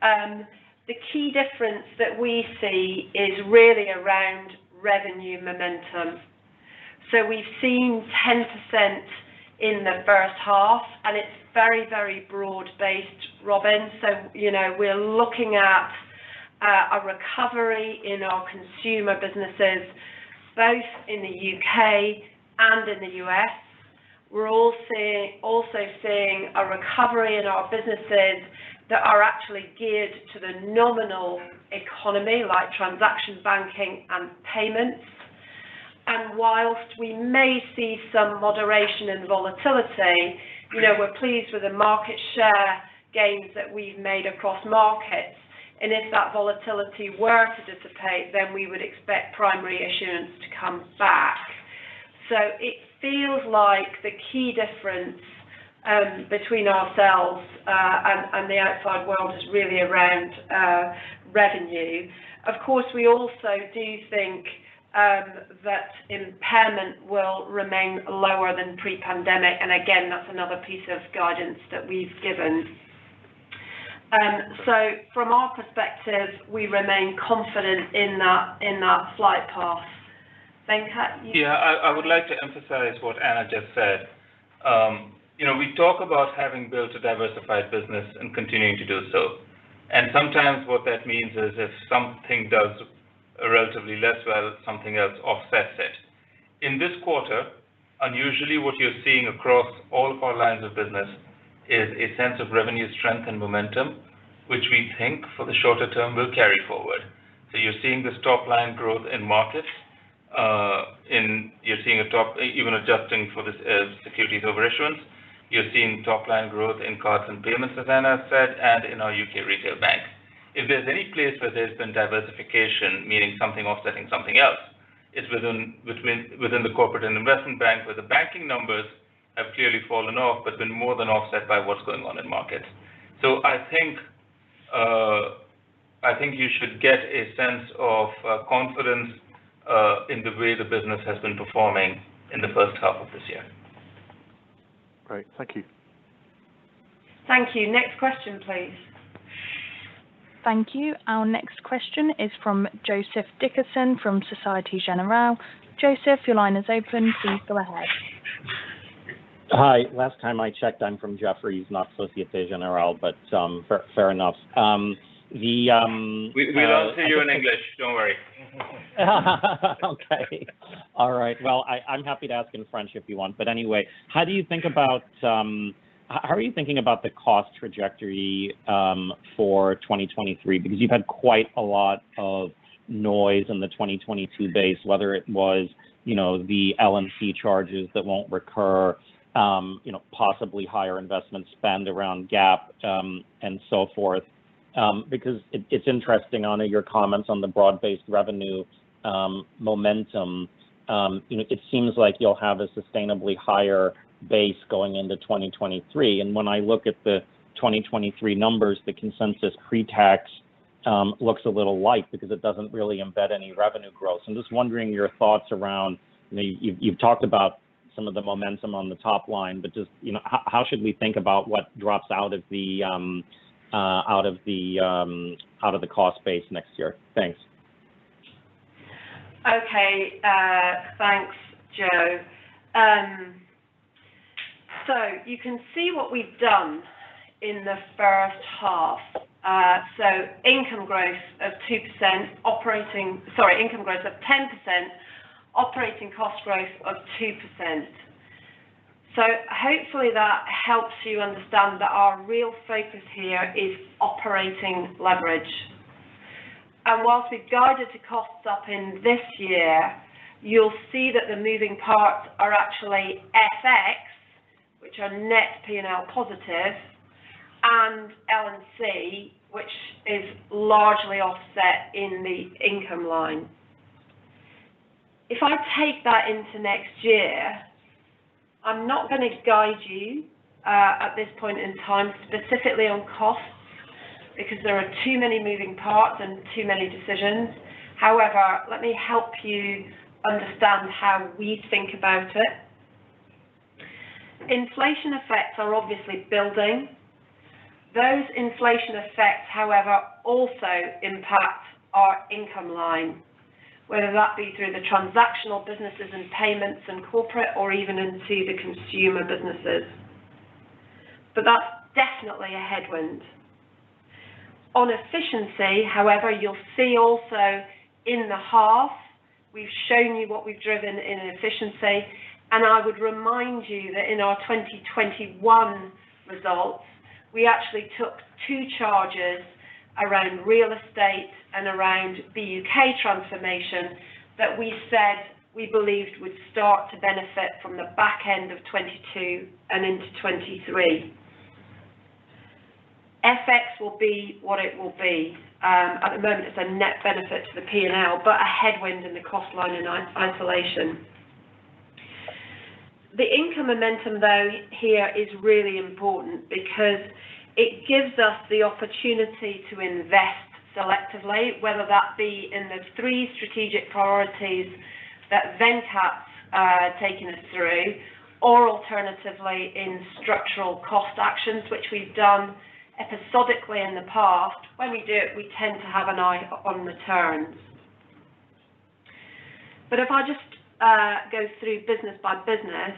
The key difference that we see is really around revenue momentum. We've seen 10% in the H1, and it's very broad based, Robin. You know, we're looking at a recovery in our consumer businesses, both in the UK and in the US. We're also seeing a recovery in our businesses that are actually geared to the nominal economy like transaction banking and payments. While we may see some moderation and volatility, you know, we're pleased with the market share gains that we've made across markets. If that volatility were to dissipate, then we would expect primary issuance to come back. It feels like the key difference between ourselves and the outside world is really around revenue. Of course, we also do think that impairment will remain lower than pre-pandemic, and again, that's another piece of guidance that we've given. From our perspective, we remain confident in that flight path. Venkat, you- Yeah. I would like to emphasize what Anna just said. You know, we talk about having built a diversified business and continuing to do so, and sometimes what that means is if something does relatively less well, something else offsets it. In this quarter, unusually, what you're seeing across all four lines of business is a sense of revenue strength and momentum, which we think for the shorter term will carry forward. You're seeing this top line growth in markets. And even adjusting for this, securities over issuance, you're seeing top line growth in cards and payments, as Anna said, and in our UK retail bank. If there's any place where there's been diversification, meaning something offsetting something else, it's within the Corporate and Investment Bank, where the banking numbers have clearly fallen off, but been more than offset by what's going on in markets. I think you should get a sense of confidence in the way the business has been performing in the H1 of this year. Great. Thank you. Thank you. Next question please. Thank you. Our next question is from Joseph Dickerson from Societe Generale. Joseph, your line is open. Please go ahead. Hi. Last time I checked, I'm from Jefferies, not Societe Generale. Fair enough. We love to hear you in English. Don't worry. Okay. All right. Well, I'm happy to ask in French if you want. Anyway, how are you thinking about the cost trajectory for 2023? Because you've had quite a lot of noise in the 2022 base, whether it was, you know, the L&C charges that won't recur. You know, possibly higher investment spend around Gap, and so forth. Because it's interesting, Anna, your comments on the broad-based revenue momentum. You know, it seems like you'll have a sustainably higher base going into 2023, and when I look at the 2023 numbers, the consensus pre-tax looks a little light because it doesn't really embed any revenue growth. I'm just wondering your thoughts around, you know, you've talked about some of the momentum on the top line, but just, you know, how should we think about what drops out of the cost base next year? Thanks. Okay. Thanks, Joe. You can see what we've done in the H1, income growth of 10% Operating cost growth of 2%. Hopefully that helps you understand that our real focus here is operating leverage. While we've guided to costs up in this year, you'll see that the moving parts are actually FX, which are net P&L positive, and L&C, which is largely offset in the income line. If I take that into next year, I'm not gonna guide you at this point in time specifically on costs because there are too many moving parts and too many decisions. However, let me help you understand how we think about it. Inflation effects are obviously building. Those inflation effects, however, also impact our income line, whether that be through the transactional businesses and payments in corporate or even into the consumer businesses. That's definitely a headwind. On efficiency, however, you'll see also in the half, we've shown you what we've driven in efficiency, and I would remind you that in our 2021 results, we actually took two charges around real estate and around the U.K. transformation that we said we believed would start to benefit from the back end of 2022 and into 2023. FX will be what it will be. At the moment it's a net benefit to the P&L, but a headwind in the cost line in isolation. The income momentum, though, here is really important because it gives us the opportunity to invest selectively, whether that be in the three strategic priorities that Venkat's taken us through, or alternatively in structural cost actions, which we've done episodically in the past. When we do it, we tend to have an eye on returns. If I just go through business by business.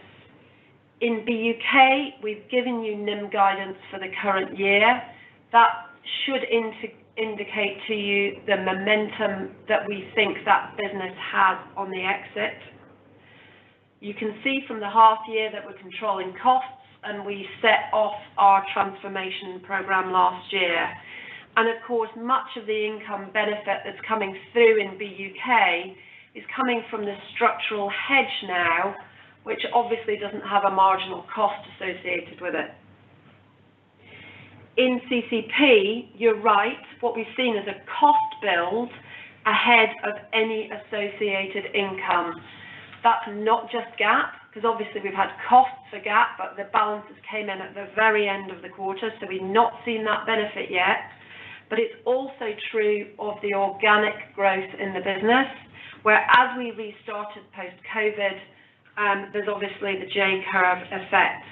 In the UK, we've given you NIM guidance for the current year. That should indicate to you the momentum that we think that business has on the exit. You can see from the half year that we're controlling costs, and we set off our transformation program last year. Of course, much of the income benefit that's coming through in the UK is coming from the structural hedge now, which obviously doesn't have a marginal cost associated with it. In CC&P, you're right. What we've seen is a cost build ahead of any associated income. That's not just Gap, 'cause obviously we've had costs for Gap, but the balances came in at the very end of the quarter, so we've not seen that benefit yet. It's also true of the organic growth in the business. Whereas we restarted post-COVID, there's obviously the J curve effect.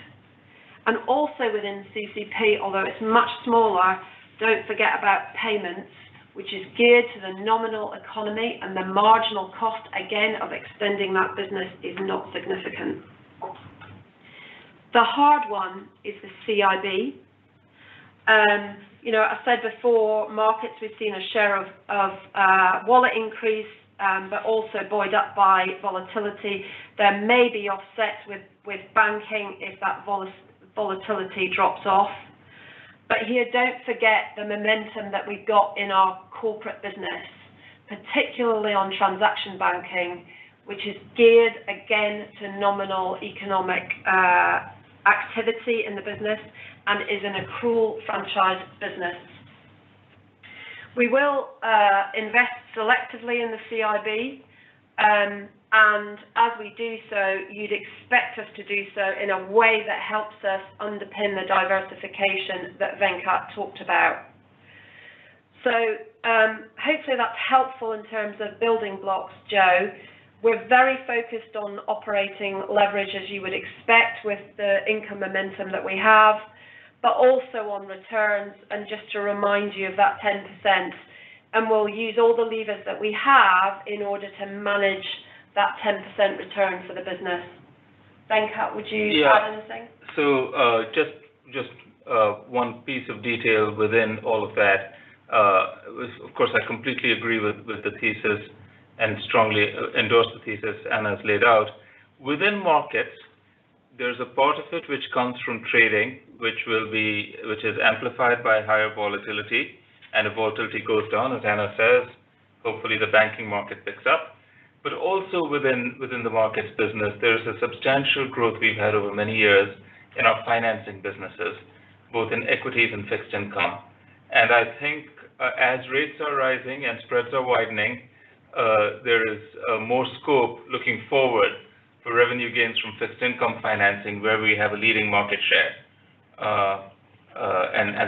Also within CC&P, although it's much smaller, don't forget about payments, which is geared to the nominal economy and the marginal cost again of extending that business is not significant. The hard one is the CIB. You know, I said before, markets we've seen a share of wallet increase, but also buoyed up by volatility. There may be offsets with banking if that volatility drops off. Here, don't forget the momentum that we've got in our corporate business, particularly on transaction banking, which is geared again to nominal economic activity in the business and is an accrual franchise business. We will invest selectively in the CIB. As we do so, you'd expect us to do so in a way that helps us underpin the diversification that Venkat talked about. Hopefully that's helpful in terms of building blocks, Joe. We're very focused on operating leverage, as you would expect with the income momentum that we have, but also on returns, and just to remind you of that 10%. We'll use all the levers that we have in order to manage that 10% return for the business. Venkat, would you add anything? Yeah. Just one piece of detail within all of that. Of course, I completely agree with the thesis and strongly endorse the thesis Anna's laid out. Within markets, there's a part of it which comes from trading, which is amplified by higher volatility. If volatility goes down, as Anna says, hopefully the banking market picks up. Also within the markets business, there is a substantial growth we've had over many years in our financing businesses, both in equities and fixed income. I think, as rates are rising and spreads are widening, there is more scope looking forward for revenue gains from fixed income financing where we have a leading market share.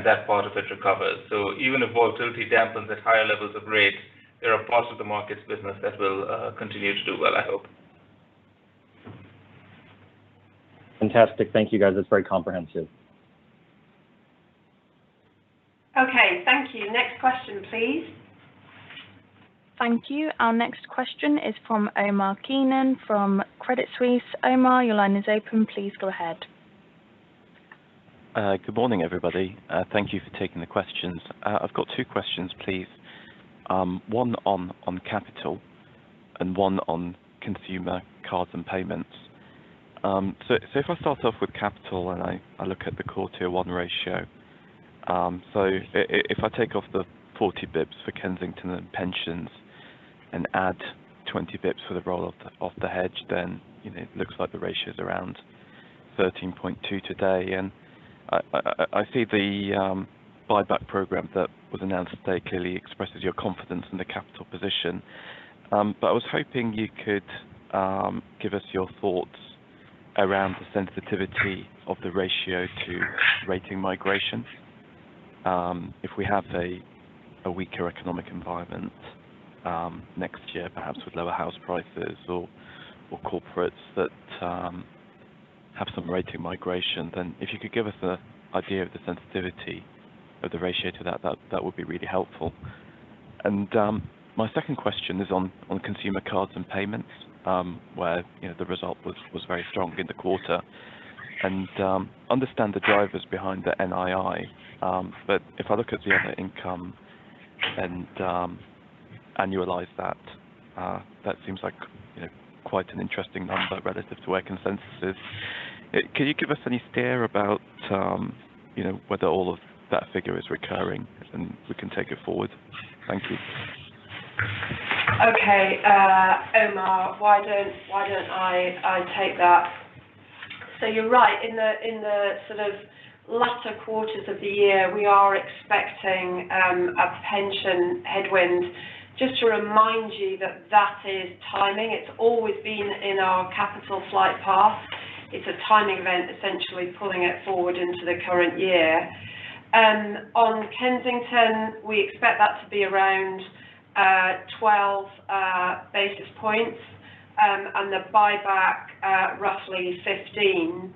That part of it recovers. Even if volatility dampens at higher levels of rates, there are parts of the markets business that will continue to do well, I hope. Fantastic. Thank you, guys. That's very comprehensive. Okay, thank you. Next question, please. Thank you. Our next question is from Omar Keenan from Credit Suisse. Omar, your line is open. Please go ahead. Good morning, everybody. Thank you for taking the questions. I've got two questions, please. One on capital and one on Consumer Cards and Payments. So if I start off with capital and I look at the Core Tier 1 ratio. If I take off the 40 basis points for Kensington and pensions and add 20 basis points for the roll off of the hedge, then you know it looks like the ratio is around 13.2 today. I see the buyback program that was announced today clearly expresses your confidence in the capital position. But I was hoping you could give us your thoughts around the sensitivity of the ratio to rating migration. If we have a weaker economic environment next year, perhaps with lower house prices or corporates that have some rating migration, if you could give us an idea of the sensitivity of the ratio to that would be really helpful. My second question is on consumer cards and payments, where you know the result was very strong in the quarter. Understand the drivers behind the NII. But if I look at the other income and annualize that seems like you know quite an interesting number relative to where consensus is. Can you give us any steer about you know whether all of that figure is recurring, and we can take it forward? Thank you. Okay. Omar, why don't I take that. You're right. In the sort of latter quarters of the year, we are expecting a pension headwind. Just to remind you that is timing. It's always been in our capital plan. It's a timing event, essentially pulling it forward into the current year. On Kensington, we expect that to be around 12 basis points, and the buyback roughly 15.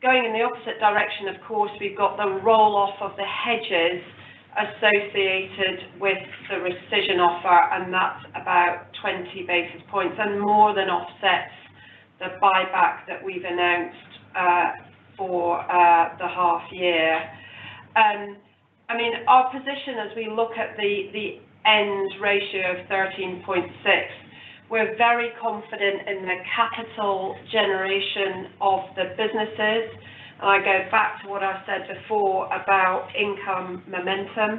Going in the opposite direction, of course, we've got the roll-off of the hedges associated with the rescission offer, and that's about 20 basis points and more than offsets the buyback that we've announced for half year. I mean, our position as we look at the year-end ratio of 13.6, we're very confident in the capital generation of the businesses. I go back to what I said before about income momentum.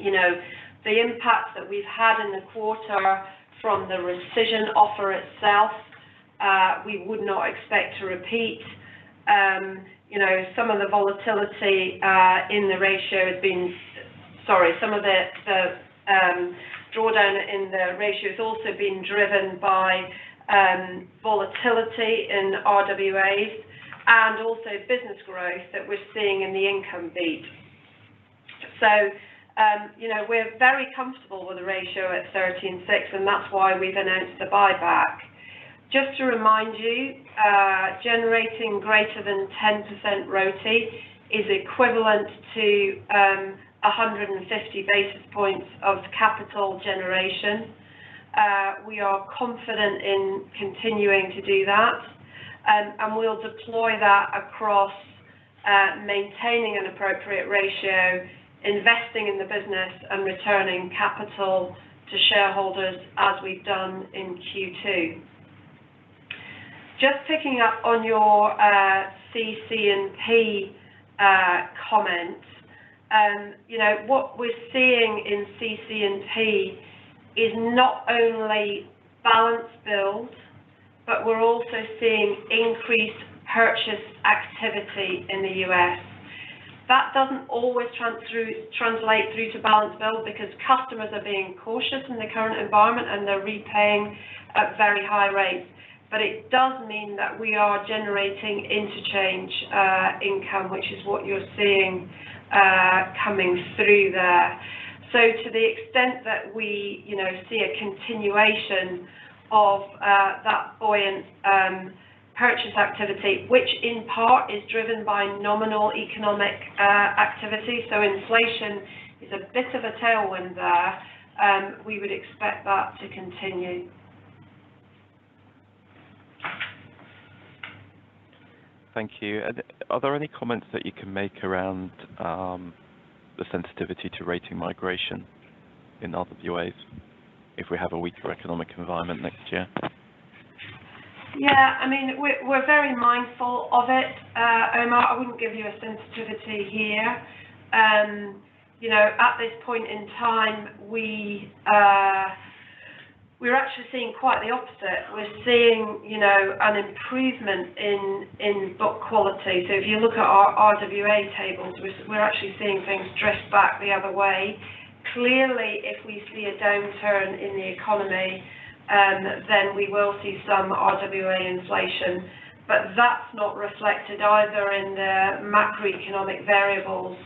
You know, the impact that we've had in the quarter from the rescission offer itself, we would not expect to repeat. You know, some of the drawdown in the ratio has also been driven by volatility in RWAs and also business growth that we're seeing in the income beat. You know, we're very comfortable with the ratio at 13.6%, and that's why we've announced the buyback. Just to remind you, generating greater than 10% RoTE is equivalent to 150 basis points of capital generation. We are confident in continuing to do that. We'll deploy that across, maintaining an appropriate ratio, investing in the business and returning capital to shareholders as we've done in Q2. Just picking up on your CC&P comment. You know, what we're seeing in CC&P is not only balance build, but we're also seeing increased purchase activity in the U.S. That doesn't always translate through to balance build because customers are being cautious in the current environment, and they're repaying at very high rates. It does mean that we are generating interchange income, which is what you're seeing coming through there. To the extent that we, you know, see a continuation of that buoyant purchase activity, which in part is driven by nominal economic activity, so inflation is a bit of a tailwind there, we would expect that to continue. Thank you. Are there any comments that you can make around the sensitivity to rating migration in RWAs if we have a weaker economic environment next year? Yeah. I mean, we're very mindful of it. Omar, I wouldn't give you a sensitivity here. You know, at this point in time, we're actually seeing quite the opposite. We're seeing, you know, an improvement in book quality. So if you look at our RWA tables, we're actually seeing things drift back the other way. Clearly, if we see a downturn in the economy, then we will see some RWA inflation. But that's not reflected either in the macroeconomic variables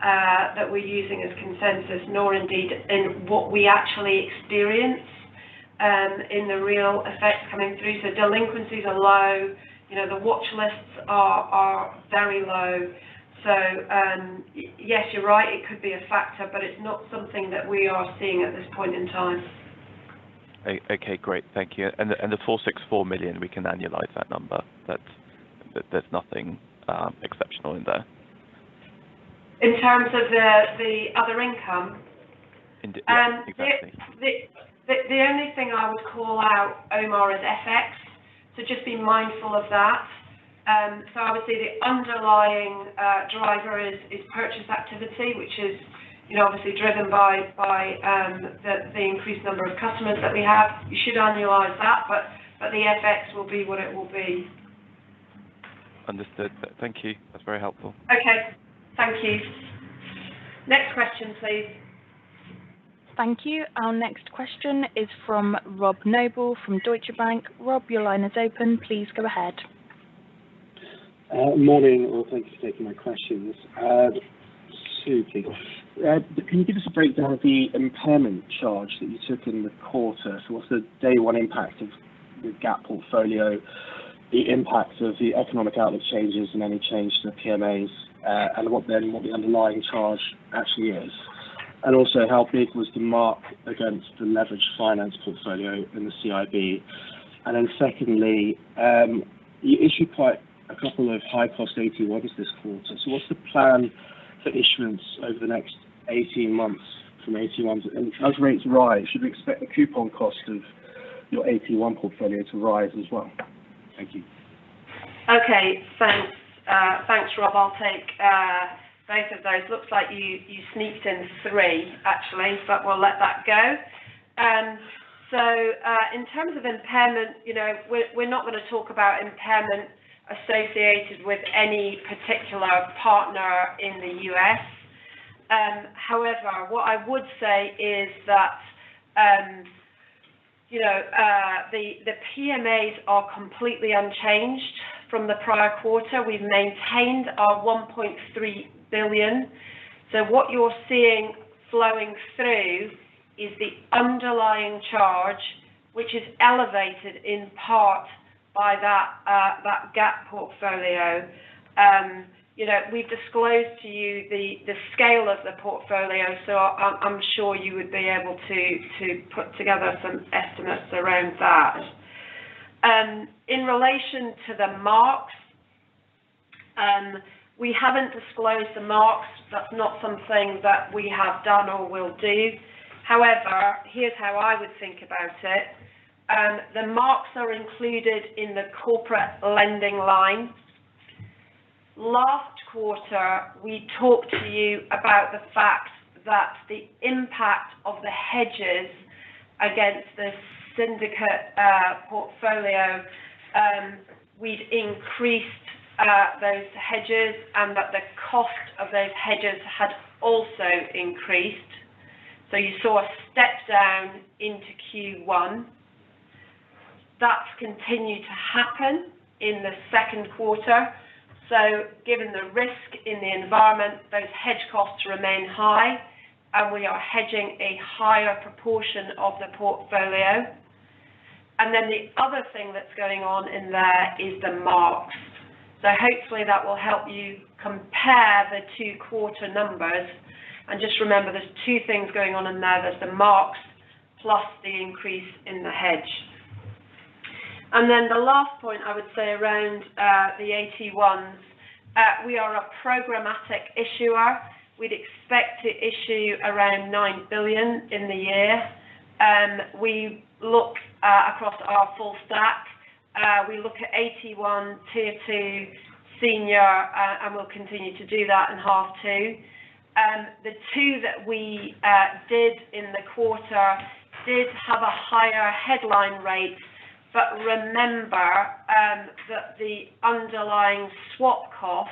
that we're using as consensus, nor indeed in what we actually experience in the real effects coming through. So delinquencies are low. You know, the watch lists are very low. So yes, you're right, it could be a factor, but it's not something that we are seeing at this point in time. Okay. Great. Thank you. The 464 million, we can annualize that number. That's. There's nothing exceptional in there. In terms of the other income? Exactly. The only thing I would call out, Omar, is FX. Just be mindful of that. Obviously the underlying driver is purchase activity, which is, you know, obviously driven by the increased number of customers that we have. You should annualize that, but the FX will be what it will be. Understood. Thank you. That's very helpful. Okay. Thank you. Next question, please. Thank you. Our next question is from Rob Noble from Deutsche Bank. Rob, your line is open. Please go ahead. Morning. Well, thank you for taking my questions. Two, please. Can you give us a breakdown of the impairment charge that you took in the quarter? So what's the day one impact of the GAAP portfolio, the impact of the economic outlook changes and any change to the PMAs, and what the underlying charge actually is? Also how big was the mark against the leveraged finance portfolio in the CIB? Then secondly, you issued quite a couple of high cost AT1's this quarter. So what's the plan for issuance over the next 18 months from AT1s? And as rates rise, should we expect the coupon cost of your AT1 portfolio to rise as well? Thank you. Okay. Thanks. Thanks, Rob. I'll take both of those. Looks like you sneaked in three actually, but we'll let that go. In terms of impairment, you know, we're not gonna talk about impairment associated with any particular partner in the U.S. However, what I would say is that, you know, the PMAs are completely unchanged from the prior quarter. We've maintained our 1.3 billion. What you're seeing flowing through is the underlying charge, which is elevated in part by that GAAP portfolio. You know, we've disclosed to you the scale of the portfolio, so I'm sure you would be able to put together some estimates around that. In relation to the marks, we haven't disclosed the marks. That's not something that we have done or will do. However, here's how I would think about it. The marks are included in the corporate lending line. Last quarter, we talked to you about the fact that the impact of the hedges against the syndicated portfolio we'd increased those hedges and that the cost of those hedges had also increased. You saw a step down in Q1. That's continued to happen in the Q2. Given the risk in the environment, those hedge costs remain high, and we are hedging a higher proportion of the portfolio. The other thing that's going on in there is the marks. Hopefully that will help you compare the two quarter numbers. Just remember, there's two things going on in there. There's the marks plus the increase in the hedge. Then the last point I would say around the AT1's, we are a programmatic issuer. We'd expect to issue around 9 billion in the year. We look across our full stack. We look at AT1, Tier 2, senior, and we'll continue to do that in H2. The two that we did in the quarter did have a higher headline rate. Remember that the underlying swap cost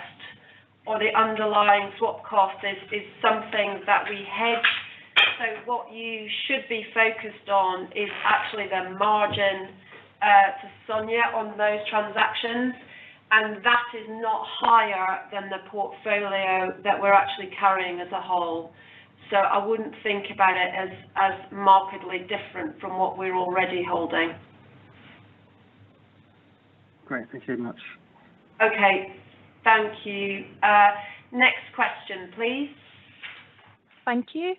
is something that we hedge. What you should be focused on is actually the margin to SONIA on those transactions, and that is not higher than the portfolio that we're actually carrying as a whole. I wouldn't think about it as markedly different from what we're already holding. Great. Thank you very much. Okay. Thank you. Next question, please. Thank you.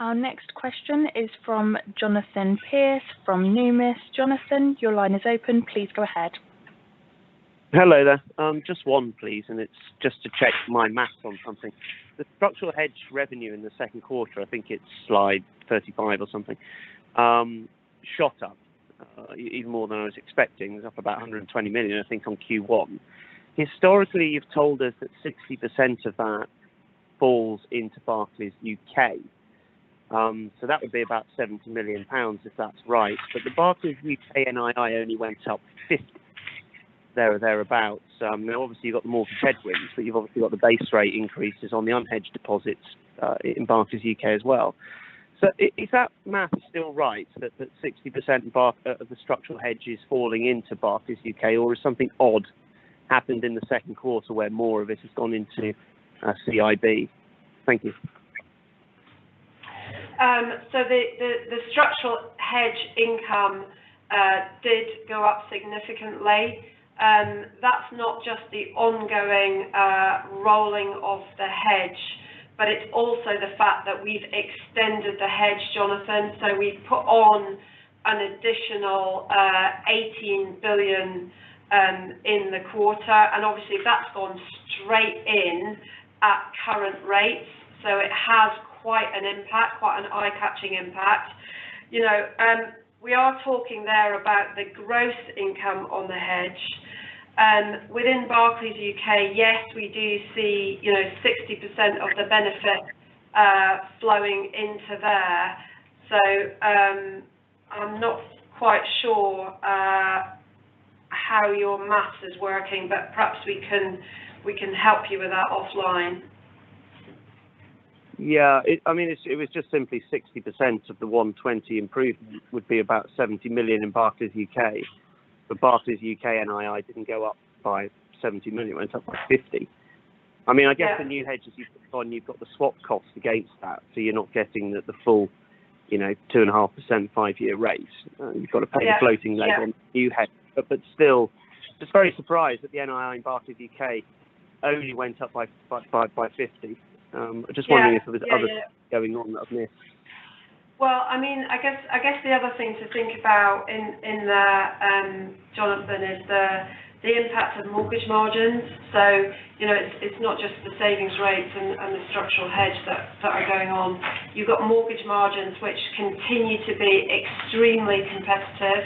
Our next question is from Jonathan Pierce from Numis. Jonathan, your line is open. Please go ahead. Hello there. Just one please, it's just to check my math on something. The structural hedge revenue in the Q2, I think it's slide 35 or something, shot up even more than I was expecting. It was up about 120 million, I think, on Q1. Historically, you've told us that 60% of that falls into Barclays UK. That would be about 70 million pounds if that's right. The Barclays UK NII only went up 50 there or thereabouts. Obviously, you've got more headwinds, but you've obviously got the base rate increases on the unhedged deposits in Barclays UK as well. Is that math still right, that 60% of the structural hedge is falling into Barclays UK, or has something odd happened in the Q2 where more of it has gone into CIB? Thank you. The structural hedge income did go up significantly. That's not just the ongoing rolling of the hedge, but it's also the fact that we've extended the hedge, Jonathan. We put on an additional 18 billion in the quarter, and obviously that's gone straight in at current rates. It has quite an impact, quite an eye-catching impact. You know, we are talking there about the gross income on the hedge. Within Barclays UK, yes, we do see, you know, 60% of the benefit flowing into there. I'm not quite sure how your math is working, but perhaps we can help you with that offline. Yeah. I mean, it was just simply 60% of the 120 improvement would be about 70 million in Barclays UK. Barclays UK NII didn't go up by 70 million. It went up by 50 million. I mean, I guess. Yeah. the new hedges you've put on, you've got the swap costs against that, so you're not getting the full, you know, 2.5% five-year rate. You've got to pay Yeah. -a floating rate on- Yeah. the new hedge. Still, just very surprised that the NII in Barclays UK only went up by 50 million. I'm just wondering- Yeah. If there was other things going on that I've missed. Well, I mean, I guess the other thing to think about in there, Jonathan, is the impact of mortgage margins. You know, it's not just the savings rates and the structural hedge that are going on. You've got mortgage margins, which continue to be extremely competitive.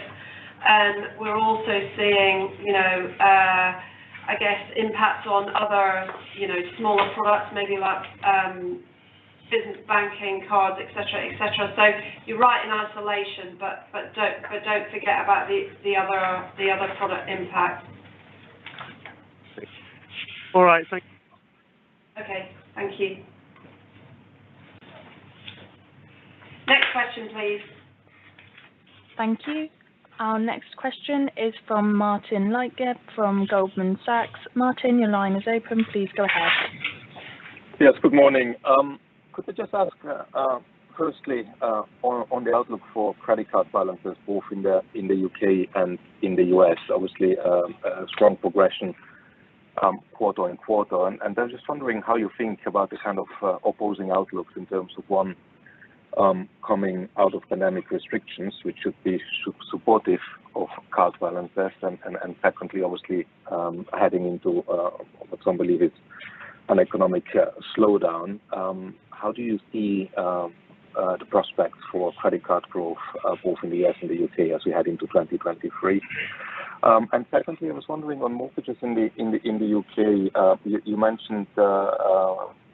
We're also seeing, you know, I guess, impacts on other, you know, smaller products, maybe like business banking, cards, etc., etc. You're right in isolation, but don't forget about the other product impact. All right. Thank you. Okay. Thank you. Next question, please. Thank you. Our next question is from Martin Leitgeb from Goldman Sachs. Martin, your line is open. Please go ahead. Yes. Good morning. Could I just ask, firstly, on the outlook for credit card balances, both in the U.K. and in the U.S.? Obviously, a strong progression quarter-on-quarter. I'm just wondering how you think about the kind of opposing outlooks in terms of one, coming out of pandemic restrictions, which should be supportive of card balances. Secondly, obviously, heading into what some believe is an economic slowdown. How do you see the prospects for credit card growth both in the US and the UK as we head into 2023? Secondly, I was wondering on mortgages in the UK, you mentioned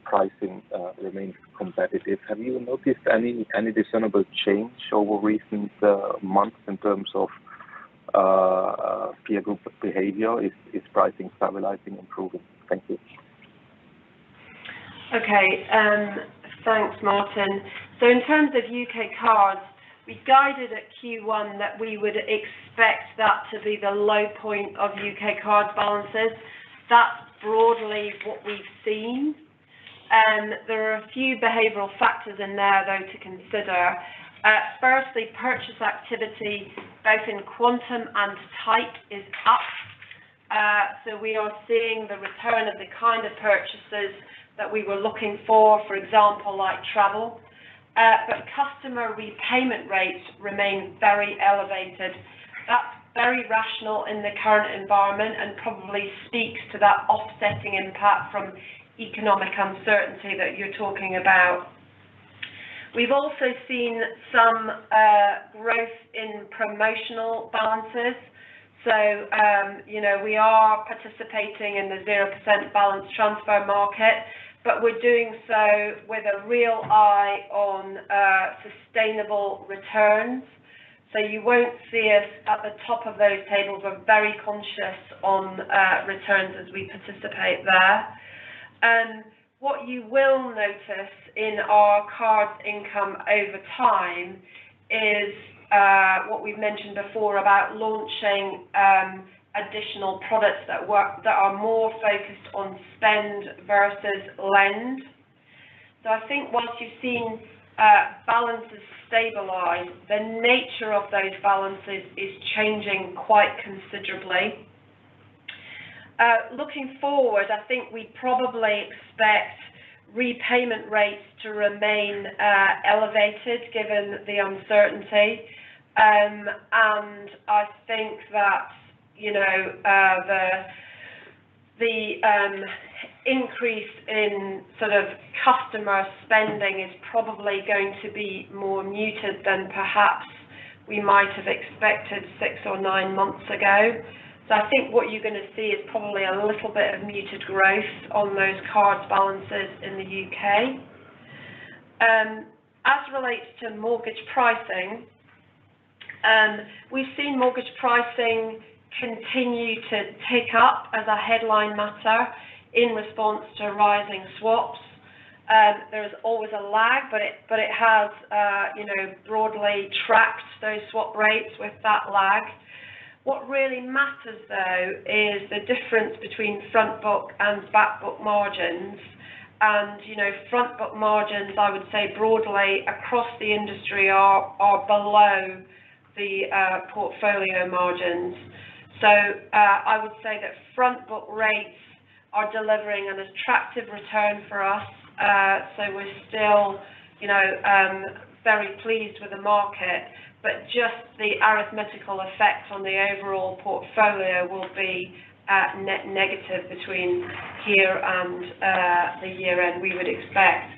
pricing remains competitive. Have you noticed any discernible change over recent months in terms of peer group behavior? Is pricing stabilizing, improving? Thank you. Okay. Thanks, Martin. In terms of UK cards, we guided at Q1 that we would expect that to be the low point of UK card balances. That's broadly what we've seen. There are a few behavioral factors in there, though, to consider. Firstly, purchase activity, both in quantum and type, is up. We are seeing the return of the kind of purchases that we were looking for example, like travel. Customer repayment rates remain very elevated. That's very rational in the current environment and probably speaks to that offsetting impact from economic uncertainty that you're talking about. We've also seen some growth in promotional balances. You know, we are participating in the 0% balance transfer market, but we're doing so with a real eye on sustainable returns. You won't see us at the top of those tables. We're very conscious on returns as we participate there. What you will notice in our cards income over time is what we've mentioned before about launching additional products that are more focused on spend versus lend. I think once you've seen balances stabilize, the nature of those balances is changing quite considerably. Looking forward, I think we probably expect repayment rates to remain elevated given the uncertainty. I think that, you know, the increase in sort of customer spending is probably going to be more muted than perhaps we might have expected six or nine months ago. I think what you're going to see is probably a little bit of muted growth on those card balances in the UK. As relates to mortgage pricing, we've seen mortgage pricing continue to tick up as a headline matter in response to rising swaps. There is always a lag, but it has, you know, broadly tracked those swap rates with that lag. What really matters, though, is the difference between front book and back book margins. You know, front book margins, I would say broadly across the industry are below the portfolio margins. I would say that front book rates are delivering an attractive return for us. We're still, you know, very pleased with the market, but just the arithmetical effect on the overall portfolio will be negative between here and the year end. We would expect.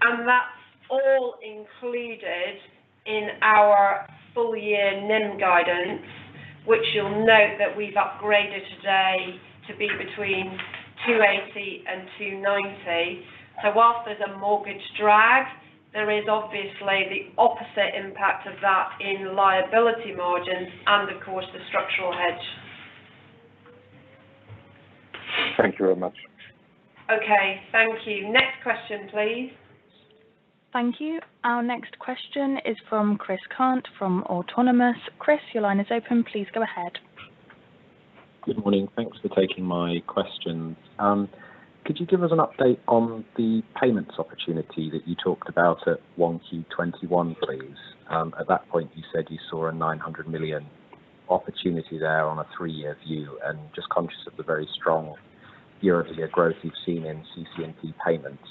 That's all included in our full-year NIM guidance, which you'll note that we've upgraded today to be between 2.80% and 2.90%. While there's a mortgage drag, there is obviously the opposite impact of that in liability margins and of course the structural hedge. Thank you very much. Okay. Thank you. Next question, please. Thank you. Our next question is from Chris Cant from Autonomous. Chris, your line is open. Please go ahead. Good morning. Thanks for taking my questions. Could you give us an update on the payments opportunity that you talked about at Q1 2021, please? At that point you said you saw a 900 million opportunity there on a 3-year view and just conscious of the very strong year-over-year growth you've seen in CC&P payments.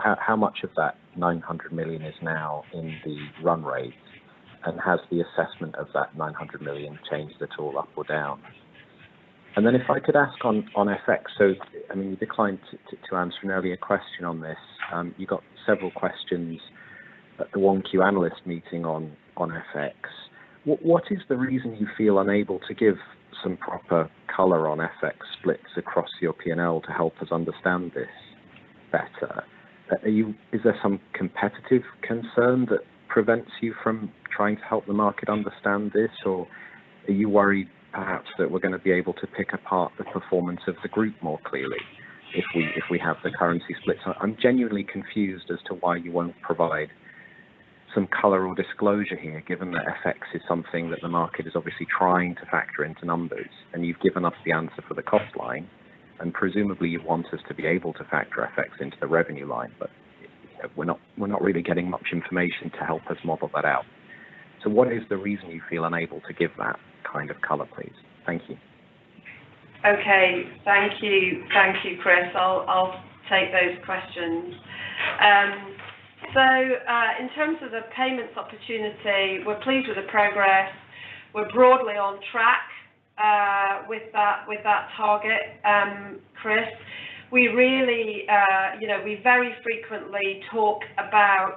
How much of that 900 million is now in the run rate? And has the assessment of that 900 million changed at all up or down? And then if I could ask on FX. I mean, you declined to answer an earlier question on this. You got several questions at the Q1 analyst meeting on FX. What is the reason you feel unable to give some proper color on FX splits across your P&L to help us understand this better? Is there some competitive concern that prevents you from trying to help the market understand this? Or are you worried perhaps that we're going to be able to pick apart the performance of the group more clearly if we have the currency splits? I'm genuinely confused as to why you won't provide some color or disclosure here, given that FX is something that the market is obviously trying to factor into numbers. You've given us the answer for the cost line, and presumably you want us to be able to factor FX into the revenue line. You know, we're not really getting much information to help us model that out. What is the reason you feel unable to give that kind of color, please? Thank you. Okay. Thank you. Thank you, Chris. I'll take those questions. In terms of the payments opportunity, we're pleased with the progress. We're broadly on track with that target, Chris. We really you know, we very frequently talk about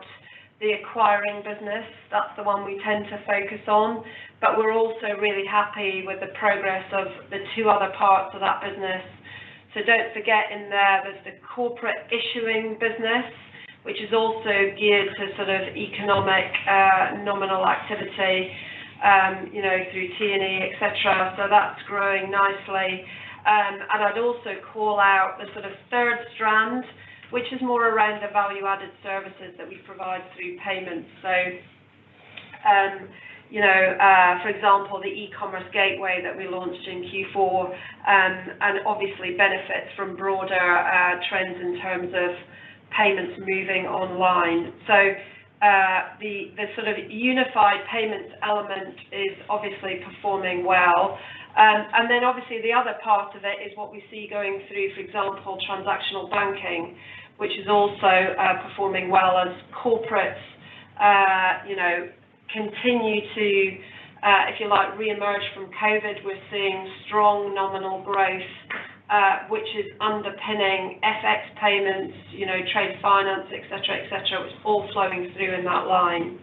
the acquiring business. That's the one we tend to focus on, but we're also really happy with the progress of the two other parts of that business. Don't forget in there's the corporate issuing business, which is also geared to sort of economic nominal activity you know, through T&E, etc. That's growing nicely. And I'd also call out the sort of third strand, which is more around the value-added services that we provide through payments. You know, for example, the e-commerce gateway that we launched in Q4 and obviously benefits from broader trends in terms of payments moving online. The sort of unified payments element is obviously performing well. Then obviously the other part of it is what we see going through, for example, transactional banking, which is also performing well as corporates, you know, continue to, if you like, re-emerge from COVID. We're seeing strong nominal growth, which is underpinning FX payments, you know, trade finance, etc., etc. It's all flowing through in that line.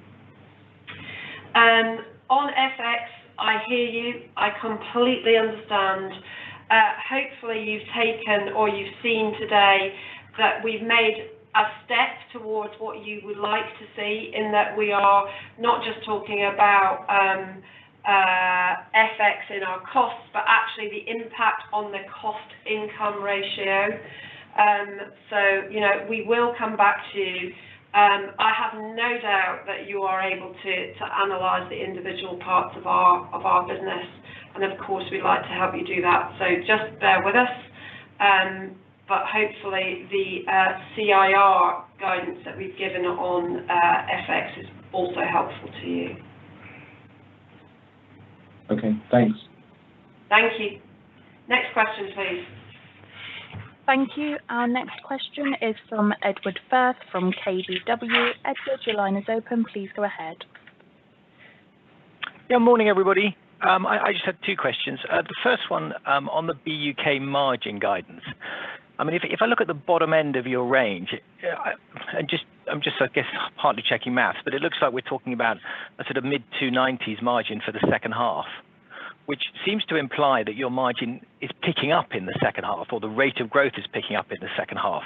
On FX, I hear you. I completely understand. Hopefully you've taken or you've seen today that we've made a step towards what you would like to see in that we are not just talking about FX in our costs, but actually the impact on the cost income ratio. You know, we will come back to you. I have no doubt that you are able to analyze the individual parts of our business, and of course we'd like to help you do that. Just bear with us. Hopefully the CIR guidance that we've given on FX is also helpful to you. Okay, thanks. Thank you. Next question, please. Thank you. Our next question is from Edward Firth from KBW. Edward, your line is open. Please go ahead. Morning, everybody. I just have two questions. The first one, on the BUK margin guidance. I mean, if I look at the bottom end of your range, I just, I guess, partly checking math, but it looks like we're talking about a sort of mid-2.90s% margin for the H2, which seems to imply that your margin is picking up in the H2 or the rate of growth is picking up in the H2.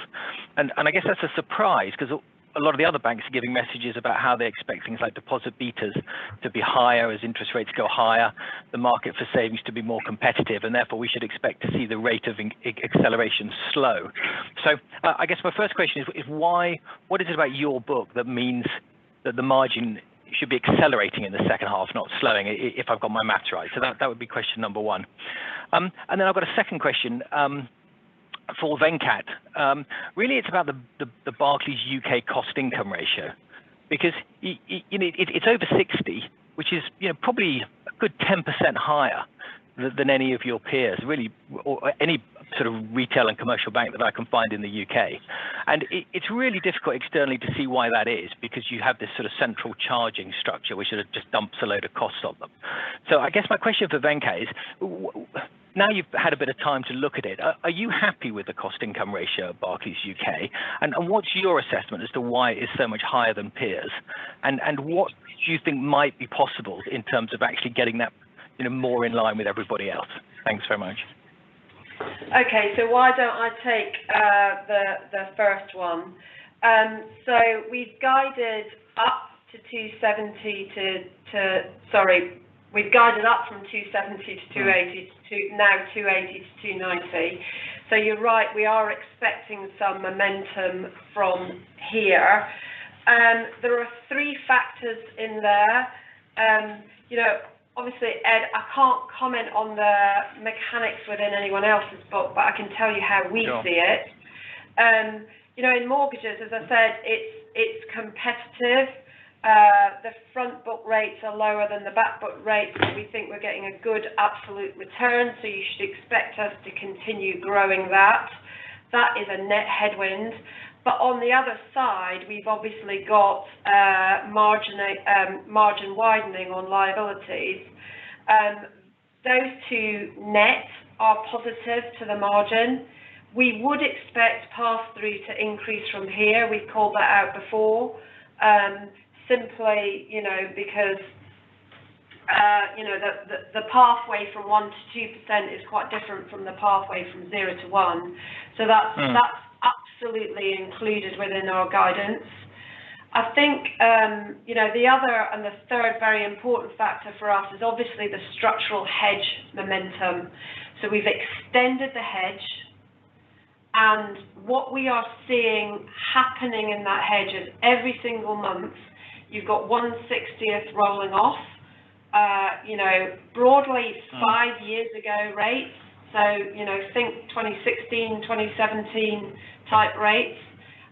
I guess that's a surprise 'cause a lot of the other banks are giving messages about how they expect things like deposit betas to be higher as interest rates go higher, the market for savings to be more competitive, and therefore we should expect to see the rate of margin acceleration slow. I guess my first question is why what is it about your book that means that the margin should be accelerating in the H2, not slowing, if I've got my math right? That would be question number one. I have a second question for Venkat. Really it's about the Barclays UK cost-income ratio because, you know, it's over 60%, which is, you know, probably a good 10% higher than any of your peers really, or any sort of retail and commercial bank that I can find in the UK. It's really difficult externally to see why that is because you have this sort of central charging structure which sort of just dumps a load of costs on them. I guess my question for Venkat is: now you've had a bit of time to look at it, are you happy with the cost income ratio of Barclays UK? What's your assessment as to why it's so much higher than peers? What do you think might be possible in terms of actually getting that, you know, more in line with everybody else? Thanks very much. Okay. Why don't I take the first one. We've guided up from 270-280 to now 280-290. You're right, we are expecting some momentum from here. There are three factors in there. You know, obviously, Ed, I can't comment on the mechanics within anyone else's book, but I can tell you how we see it. Sure. You know, in mortgages, as I said, it's competitive. The front book rates are lower than the back book rates, but we think we're getting a good absolute return. You should expect us to continue growing that. That is a net headwind. On the other side, we've obviously got margin widening on liabilities. Those two nets are positive to the margin. We would expect pass-through to increase from here. We've called that out before. Simply, you know, because you know, the pathway from 1% to 2% is quite different from the pathway from 0% to 1%. That's. Mm. That's absolutely included within our guidance. I think, you know, the other and the third very important factor for us is obviously the structural hedge momentum. We've extended the hedge, and what we are seeing happening in that hedge is every single month you've got one-sixtieth rolling off, you know, broadly five years ago rates. You know, think 2016, 2017 type rates,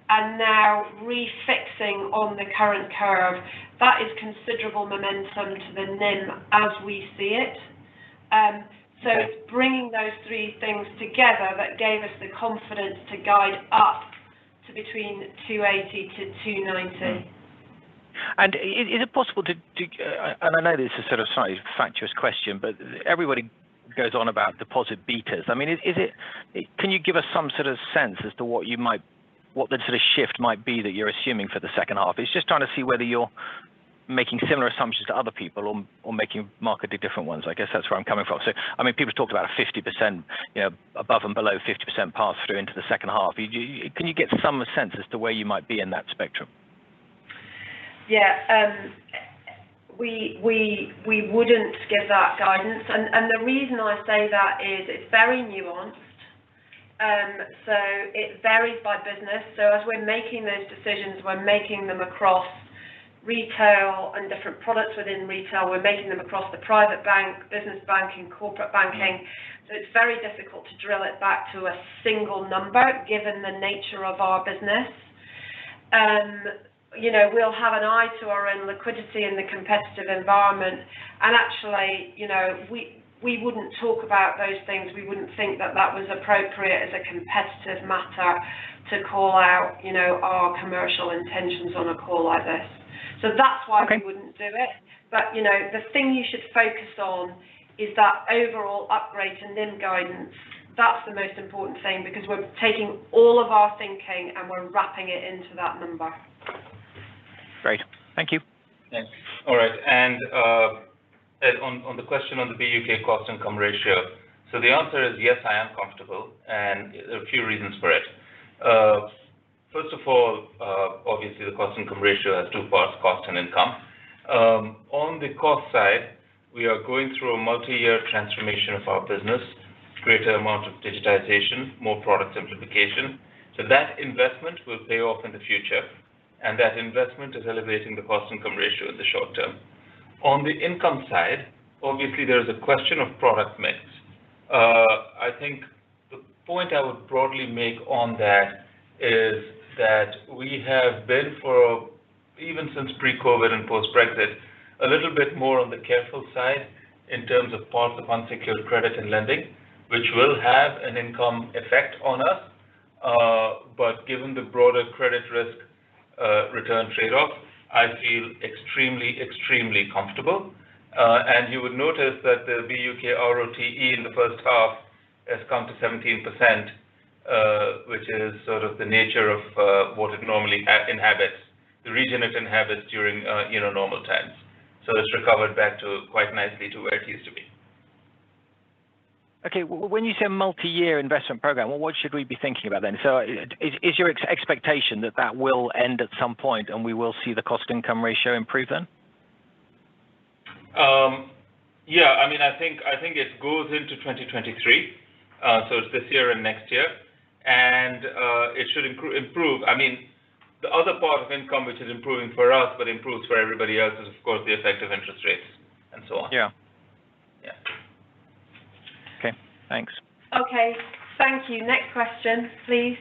and now refixing on the current curve. That is considerable momentum to the NIM as we see it. It's bringing those three things together that gave us the confidence to guide up to between 2.80%-2.90%. Is it possible to? I know this is sort of a slightly facetious question, but everybody goes on about deposit betas. I mean, is it? Can you give us some sort of sense as to what the sort of shift might be that you're assuming for the H2? It's just trying to see whether you're making similar assumptions to other people or making markedly different ones. I guess that's where I'm coming from. I mean, people talk about a 50%, you know, above and below 50% pass through into the H2. Can you give some sense as to where you might be in that spectrum? Yeah. We wouldn't give that guidance. The reason I say that is it's very nuanced. It varies by business. As we're making those decisions, we're making them across retail and different products within retail. We're making them across the private bank, business banking, corporate banking. It's very difficult to drill it back to a single number, given the nature of our business. You know, we'll have an eye to our own liquidity in the competitive environment. Actually, you know, we wouldn't talk about those things. We wouldn't think that that was appropriate as a competitive matter to call out, you know, our commercial intentions on a call like this. That's why. Okay. We wouldn't do it. You know, the thing you should focus on is that overall upgrade to NIM guidance. That's the most important thing, because we're taking all of our thinking and we're wrapping it into that number. Great. Thank you. Thanks. All right. Ed, on the question on the BUK cost-income ratio. The answer is yes, I am comfortable, and there are a few reasons for it. First of all, obviously, the cost-income ratio has two parts, cost and income. On the cost side, we are going through a multi-year transformation of our business, greater amount of digitization, more product simplification. That investment will pay off in the future, and that investment is elevating the cost-income ratio in the short term. On the income side, obviously, there is a question of product mix. I think the point I would broadly make on that is that we have been, even since pre-COVID and post-Brexit, a little bit more on the careful side in terms of parts of unsecured credit and lending, which will have an income effect on us. Given the broader credit risk return trade-off, I feel extremely comfortable. You would notice that the BUK ROTE in the H1 has come to 17%, which is sort of the nature of what it normally inhabits, the region it inhabits during you know normal times. It's recovered back to quite nicely to where it used to be. Okay. When you say multi-year investment program, what should we be thinking about then? Is your expectation that will end at some point, and we will see the cost income ratio improve then? Yeah. I mean, I think it goes into 2023, so it's this year and next year. It should improve. I mean, the other part of income which is improving for us, but improves for everybody else is of course the effect of interest rates and so on. Yeah. Yeah. Okay. Thanks. Okay. Thank you. Next question, please.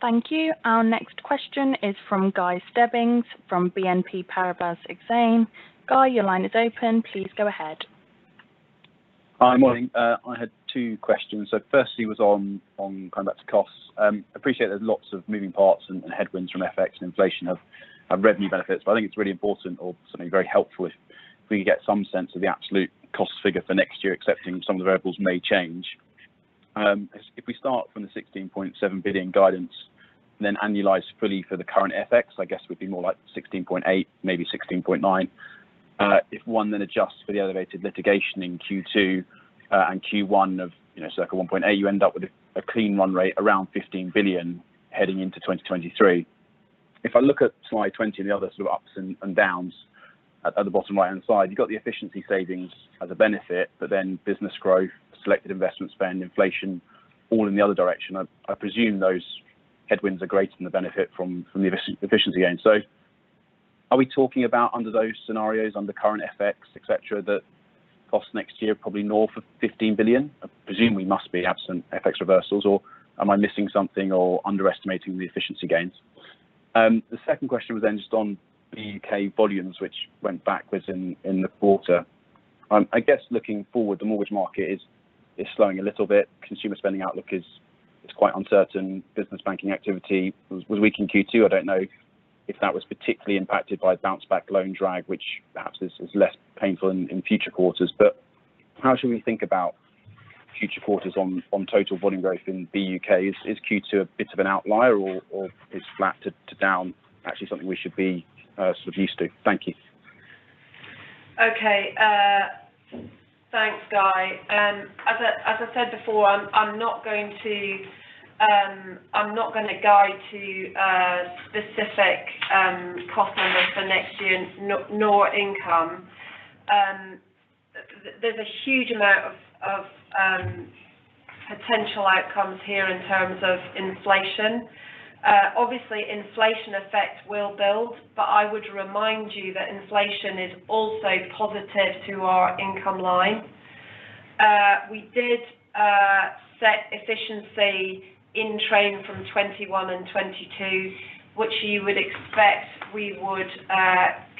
Thank you. Our next question is from Guy Stebbings from BNP Paribas Exane. Guy, your line is open. Please go ahead. Hi. Morning. I had two questions. Firstly was on kind of back to costs. Appreciate there's lots of moving parts and headwinds from FX and inflation have revenue benefits. I think it's really important or something very helpful if we could get some sense of the absolute cost figure for next year, accepting some of the variables may change. If we start from the 16.7 billion guidance, then annualize fully for the current FX, I guess it would be more like 16.8 billion, maybe 16.9 billion. If one then adjusts for the elevated litigation in Q2 and Q1 of, you know, circa 1.8, you end up with a clean run rate around 15 billion heading into 2023. If I look at slide 20 and the other sort of ups and downs at the bottom right-hand side, you've got the efficiency savings as a benefit, but then business growth, selected investment spend, inflation, all in the other direction. I presume those headwinds are greater than the benefit from the efficiency gain. Are we talking about under those scenarios, under current FX, etc., that costs next year are probably north of 15 billion? I presume we must be, absent FX reversals, or am I missing something or underestimating the efficiency gains? The second question was then just on BUK volumes, which went backwards in the quarter. I guess looking forward, the mortgage market is slowing a little bit. Consumer spending outlook is quite uncertain. Business banking activity was weak in Q2. I don't know if that was particularly impacted by bounce back loan drag, which perhaps is less painful in future quarters. How should we think about future quarters on total volume growth in BUK? Is Q2 a bit of an outlier or is flat to down actually something we should be sort of used to? Thank you. Okay. Thanks, Guy. As I said before, I'm not going to guide to specific cost numbers for next year nor income. There's a huge amount of potential outcomes here in terms of inflation. Obviously, inflation effect will build, but I would remind you that inflation is also positive to our income line. We did set efficiency in train from 2021 and 2022, which you would expect we would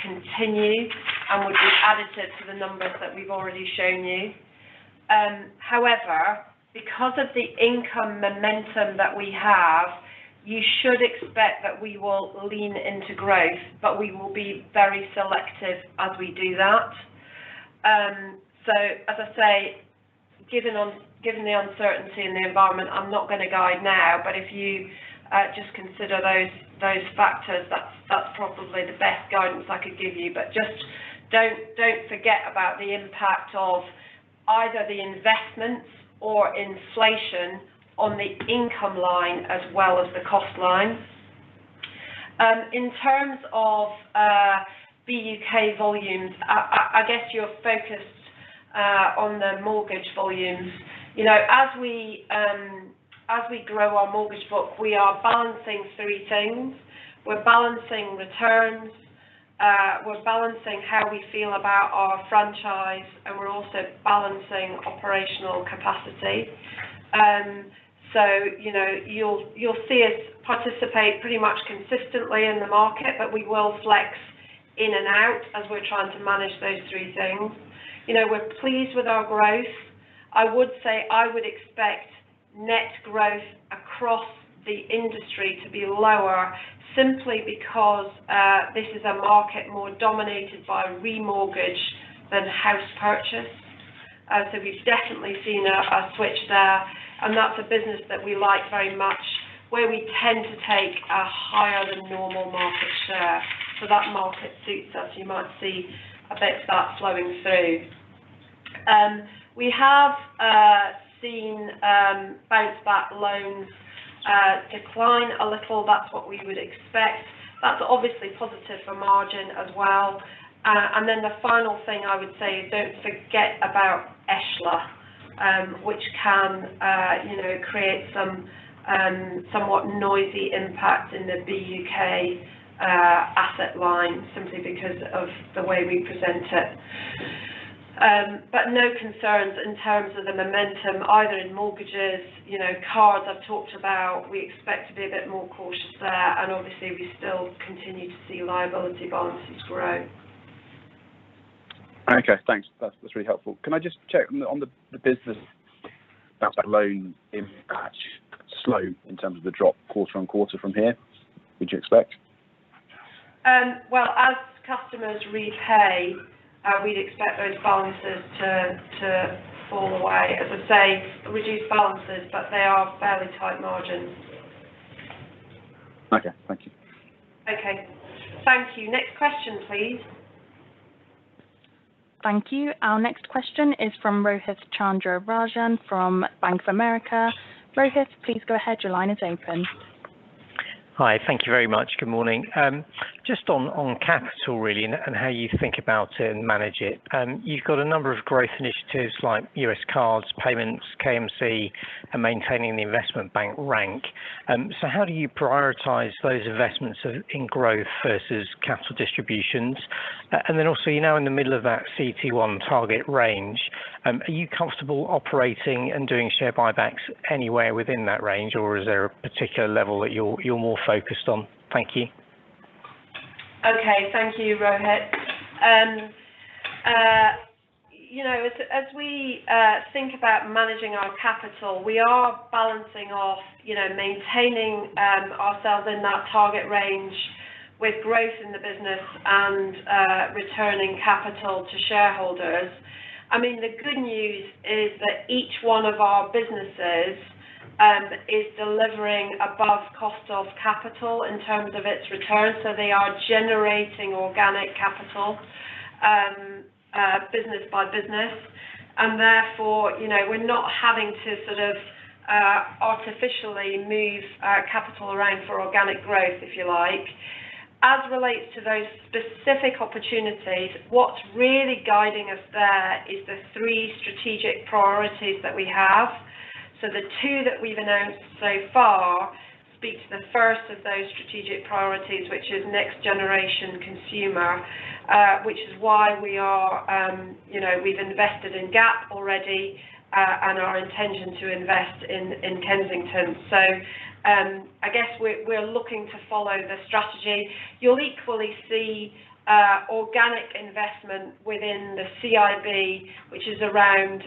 continue and would be additive to the numbers that we've already shown you. However, because of the income momentum that we have, you should expect that we will lean into growth, but we will be very selective as we do that. As I say, given the uncertainty in the environment, I'm not gonna guide now. If you just consider those factors, that's probably the best guidance I could give you. Just don't forget about the impact of either the investments or inflation on the income line as well as the cost line. In terms of BUK volumes, I guess you're focused on the mortgage volumes. You know, as we grow our mortgage book, we are balancing three things. We're balancing returns, we're balancing how we feel about our franchise, and we're also balancing operational capacity. You know, you'll see us participate pretty much consistently in the market, but we will flex in and out as we're trying to manage those three things. You know, we're pleased with our growth. I would say I would expect net growth across the industry to be lower simply because this is a market more dominated by remortgage than house purchase. So we've definitely seen a switch there, and that's a business that we like very much, where we tend to take a higher than normal market share. So that market suits us. You might see a bit of that flowing through. We have seen bounce back loans decline a little. That's what we would expect. That's obviously positive for margin as well. And then the final thing I would say is don't forget about ESHLA, which can you know create some somewhat noisy impact in the BUK asset line simply because of the way we present it. But no concerns in terms of the momentum either in mortgages. You know, cards I've talked about, we expect to be a bit more cautious there, and obviously we still continue to see liability balances grow. Okay, thanks. That's really helpful. Can I just check on the business bounce back loan impact slope in terms of the drop quarter-on-quarter from here, would you expect? Well, as customers repay, we'd expect those balances to fall away. As I say, reduced balances, but they are fairly tight margins. Okay. Thank you. Okay. Thank you. Next question, please. Thank you. Our next question is from Rohith Chandra-Rajan from Bank of America. Rohith, please go ahead. Your line is open. Hi. Thank you very much. Good morning. Just on capital really, and how you think about it and manage it. You've got a number of growth initiatives like US cards, payments, KMC, and maintaining the investment bank rank. How do you prioritize those investments in growth versus capital distributions? Then also, you know, in the middle of that CET1 target range, are you comfortable operating and doing share buybacks anywhere within that range, or is there a particular level that you're more focused on? Thank you. Okay. Thank you, Rohith. You know, as we think about managing our capital, we are balancing off, you know, maintaining ourselves in that target range with growth in the business and returning capital to shareholders. I mean, the good news is that each one of our businesses is delivering above cost of capital in terms of its returns, so they are generating organic capital business by business. Therefore, you know, we're not having to sort of artificially move capital around for organic growth, if you like. As relates to those specific opportunities, what's really guiding us there is the three strategic priorities that we have. The two that we've announced so far speak to the first of those strategic priorities, which is next generation consumer, which is why we are, you know, we've invested in Gap already, and our intention to invest in Kensington. I guess we're looking to follow the strategy. You'll equally see organic investment within the CIB, which is around,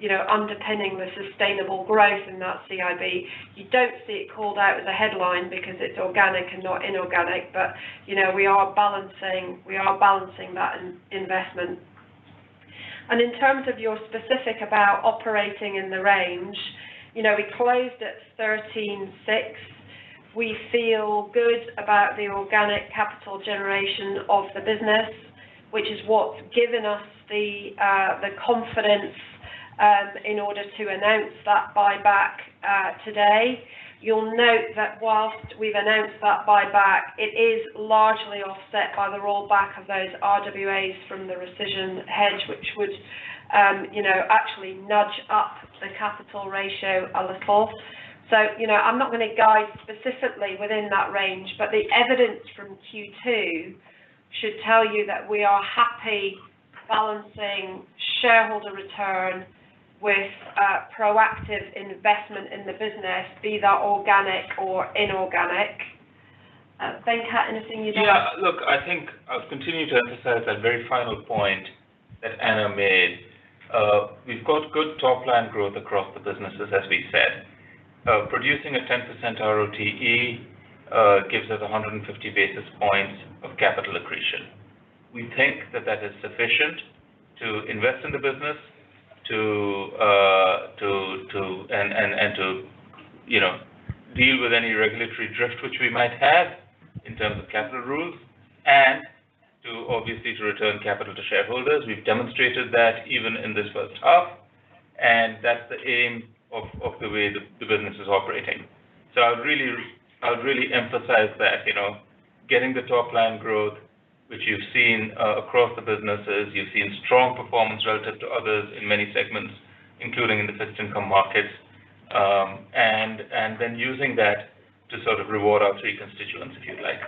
you know, underpinning the sustainable growth in that CIB. You don't see it called out as a headline because it's organic and not inorganic, but, you know, we are balancing that investment. In terms of your specific about operating in the range, you know, we closed at 136. We feel good about the organic capital generation of the business, which is what's given us the confidence in order to announce that buyback today. You'll note that while we've announced that buyback, it is largely offset by the rollback of those RWAs from the rescission hedge, which would, you know, actually nudge up the capital ratio a little. You know, I'm not gonna guide specifically within that range, but the evidence from Q2 should tell you that we are happy balancing shareholder return with proactive investment in the business, be they organic or inorganic. Venkat, anything you'd add? Yeah. Look, I think I'll continue to emphasize that very final point that Anna made. We've got good top-line growth across the businesses, as we said. Producing a 10% RoTE gives us 150 basis points of capital accretion. We think that that is sufficient to invest in the business and to deal with any regulatory drift which we might have in terms of capital rules and to obviously return capital to shareholders. We've demonstrated that even in this H1, and that's the aim of the way the business is operating. I would really emphasize that, you know, getting the top line growth, which you've seen, across the businesses. You've seen strong performance relative to others in many segments, including in the fixed income markets, and then using that to sort of reward our three constituents, if you'd like.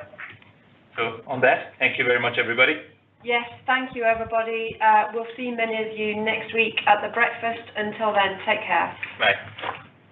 On that, thank you very much, everybody. Yes. Thank you, everybody. We'll see many of you next week at the breakfast. Until then, take care. Bye.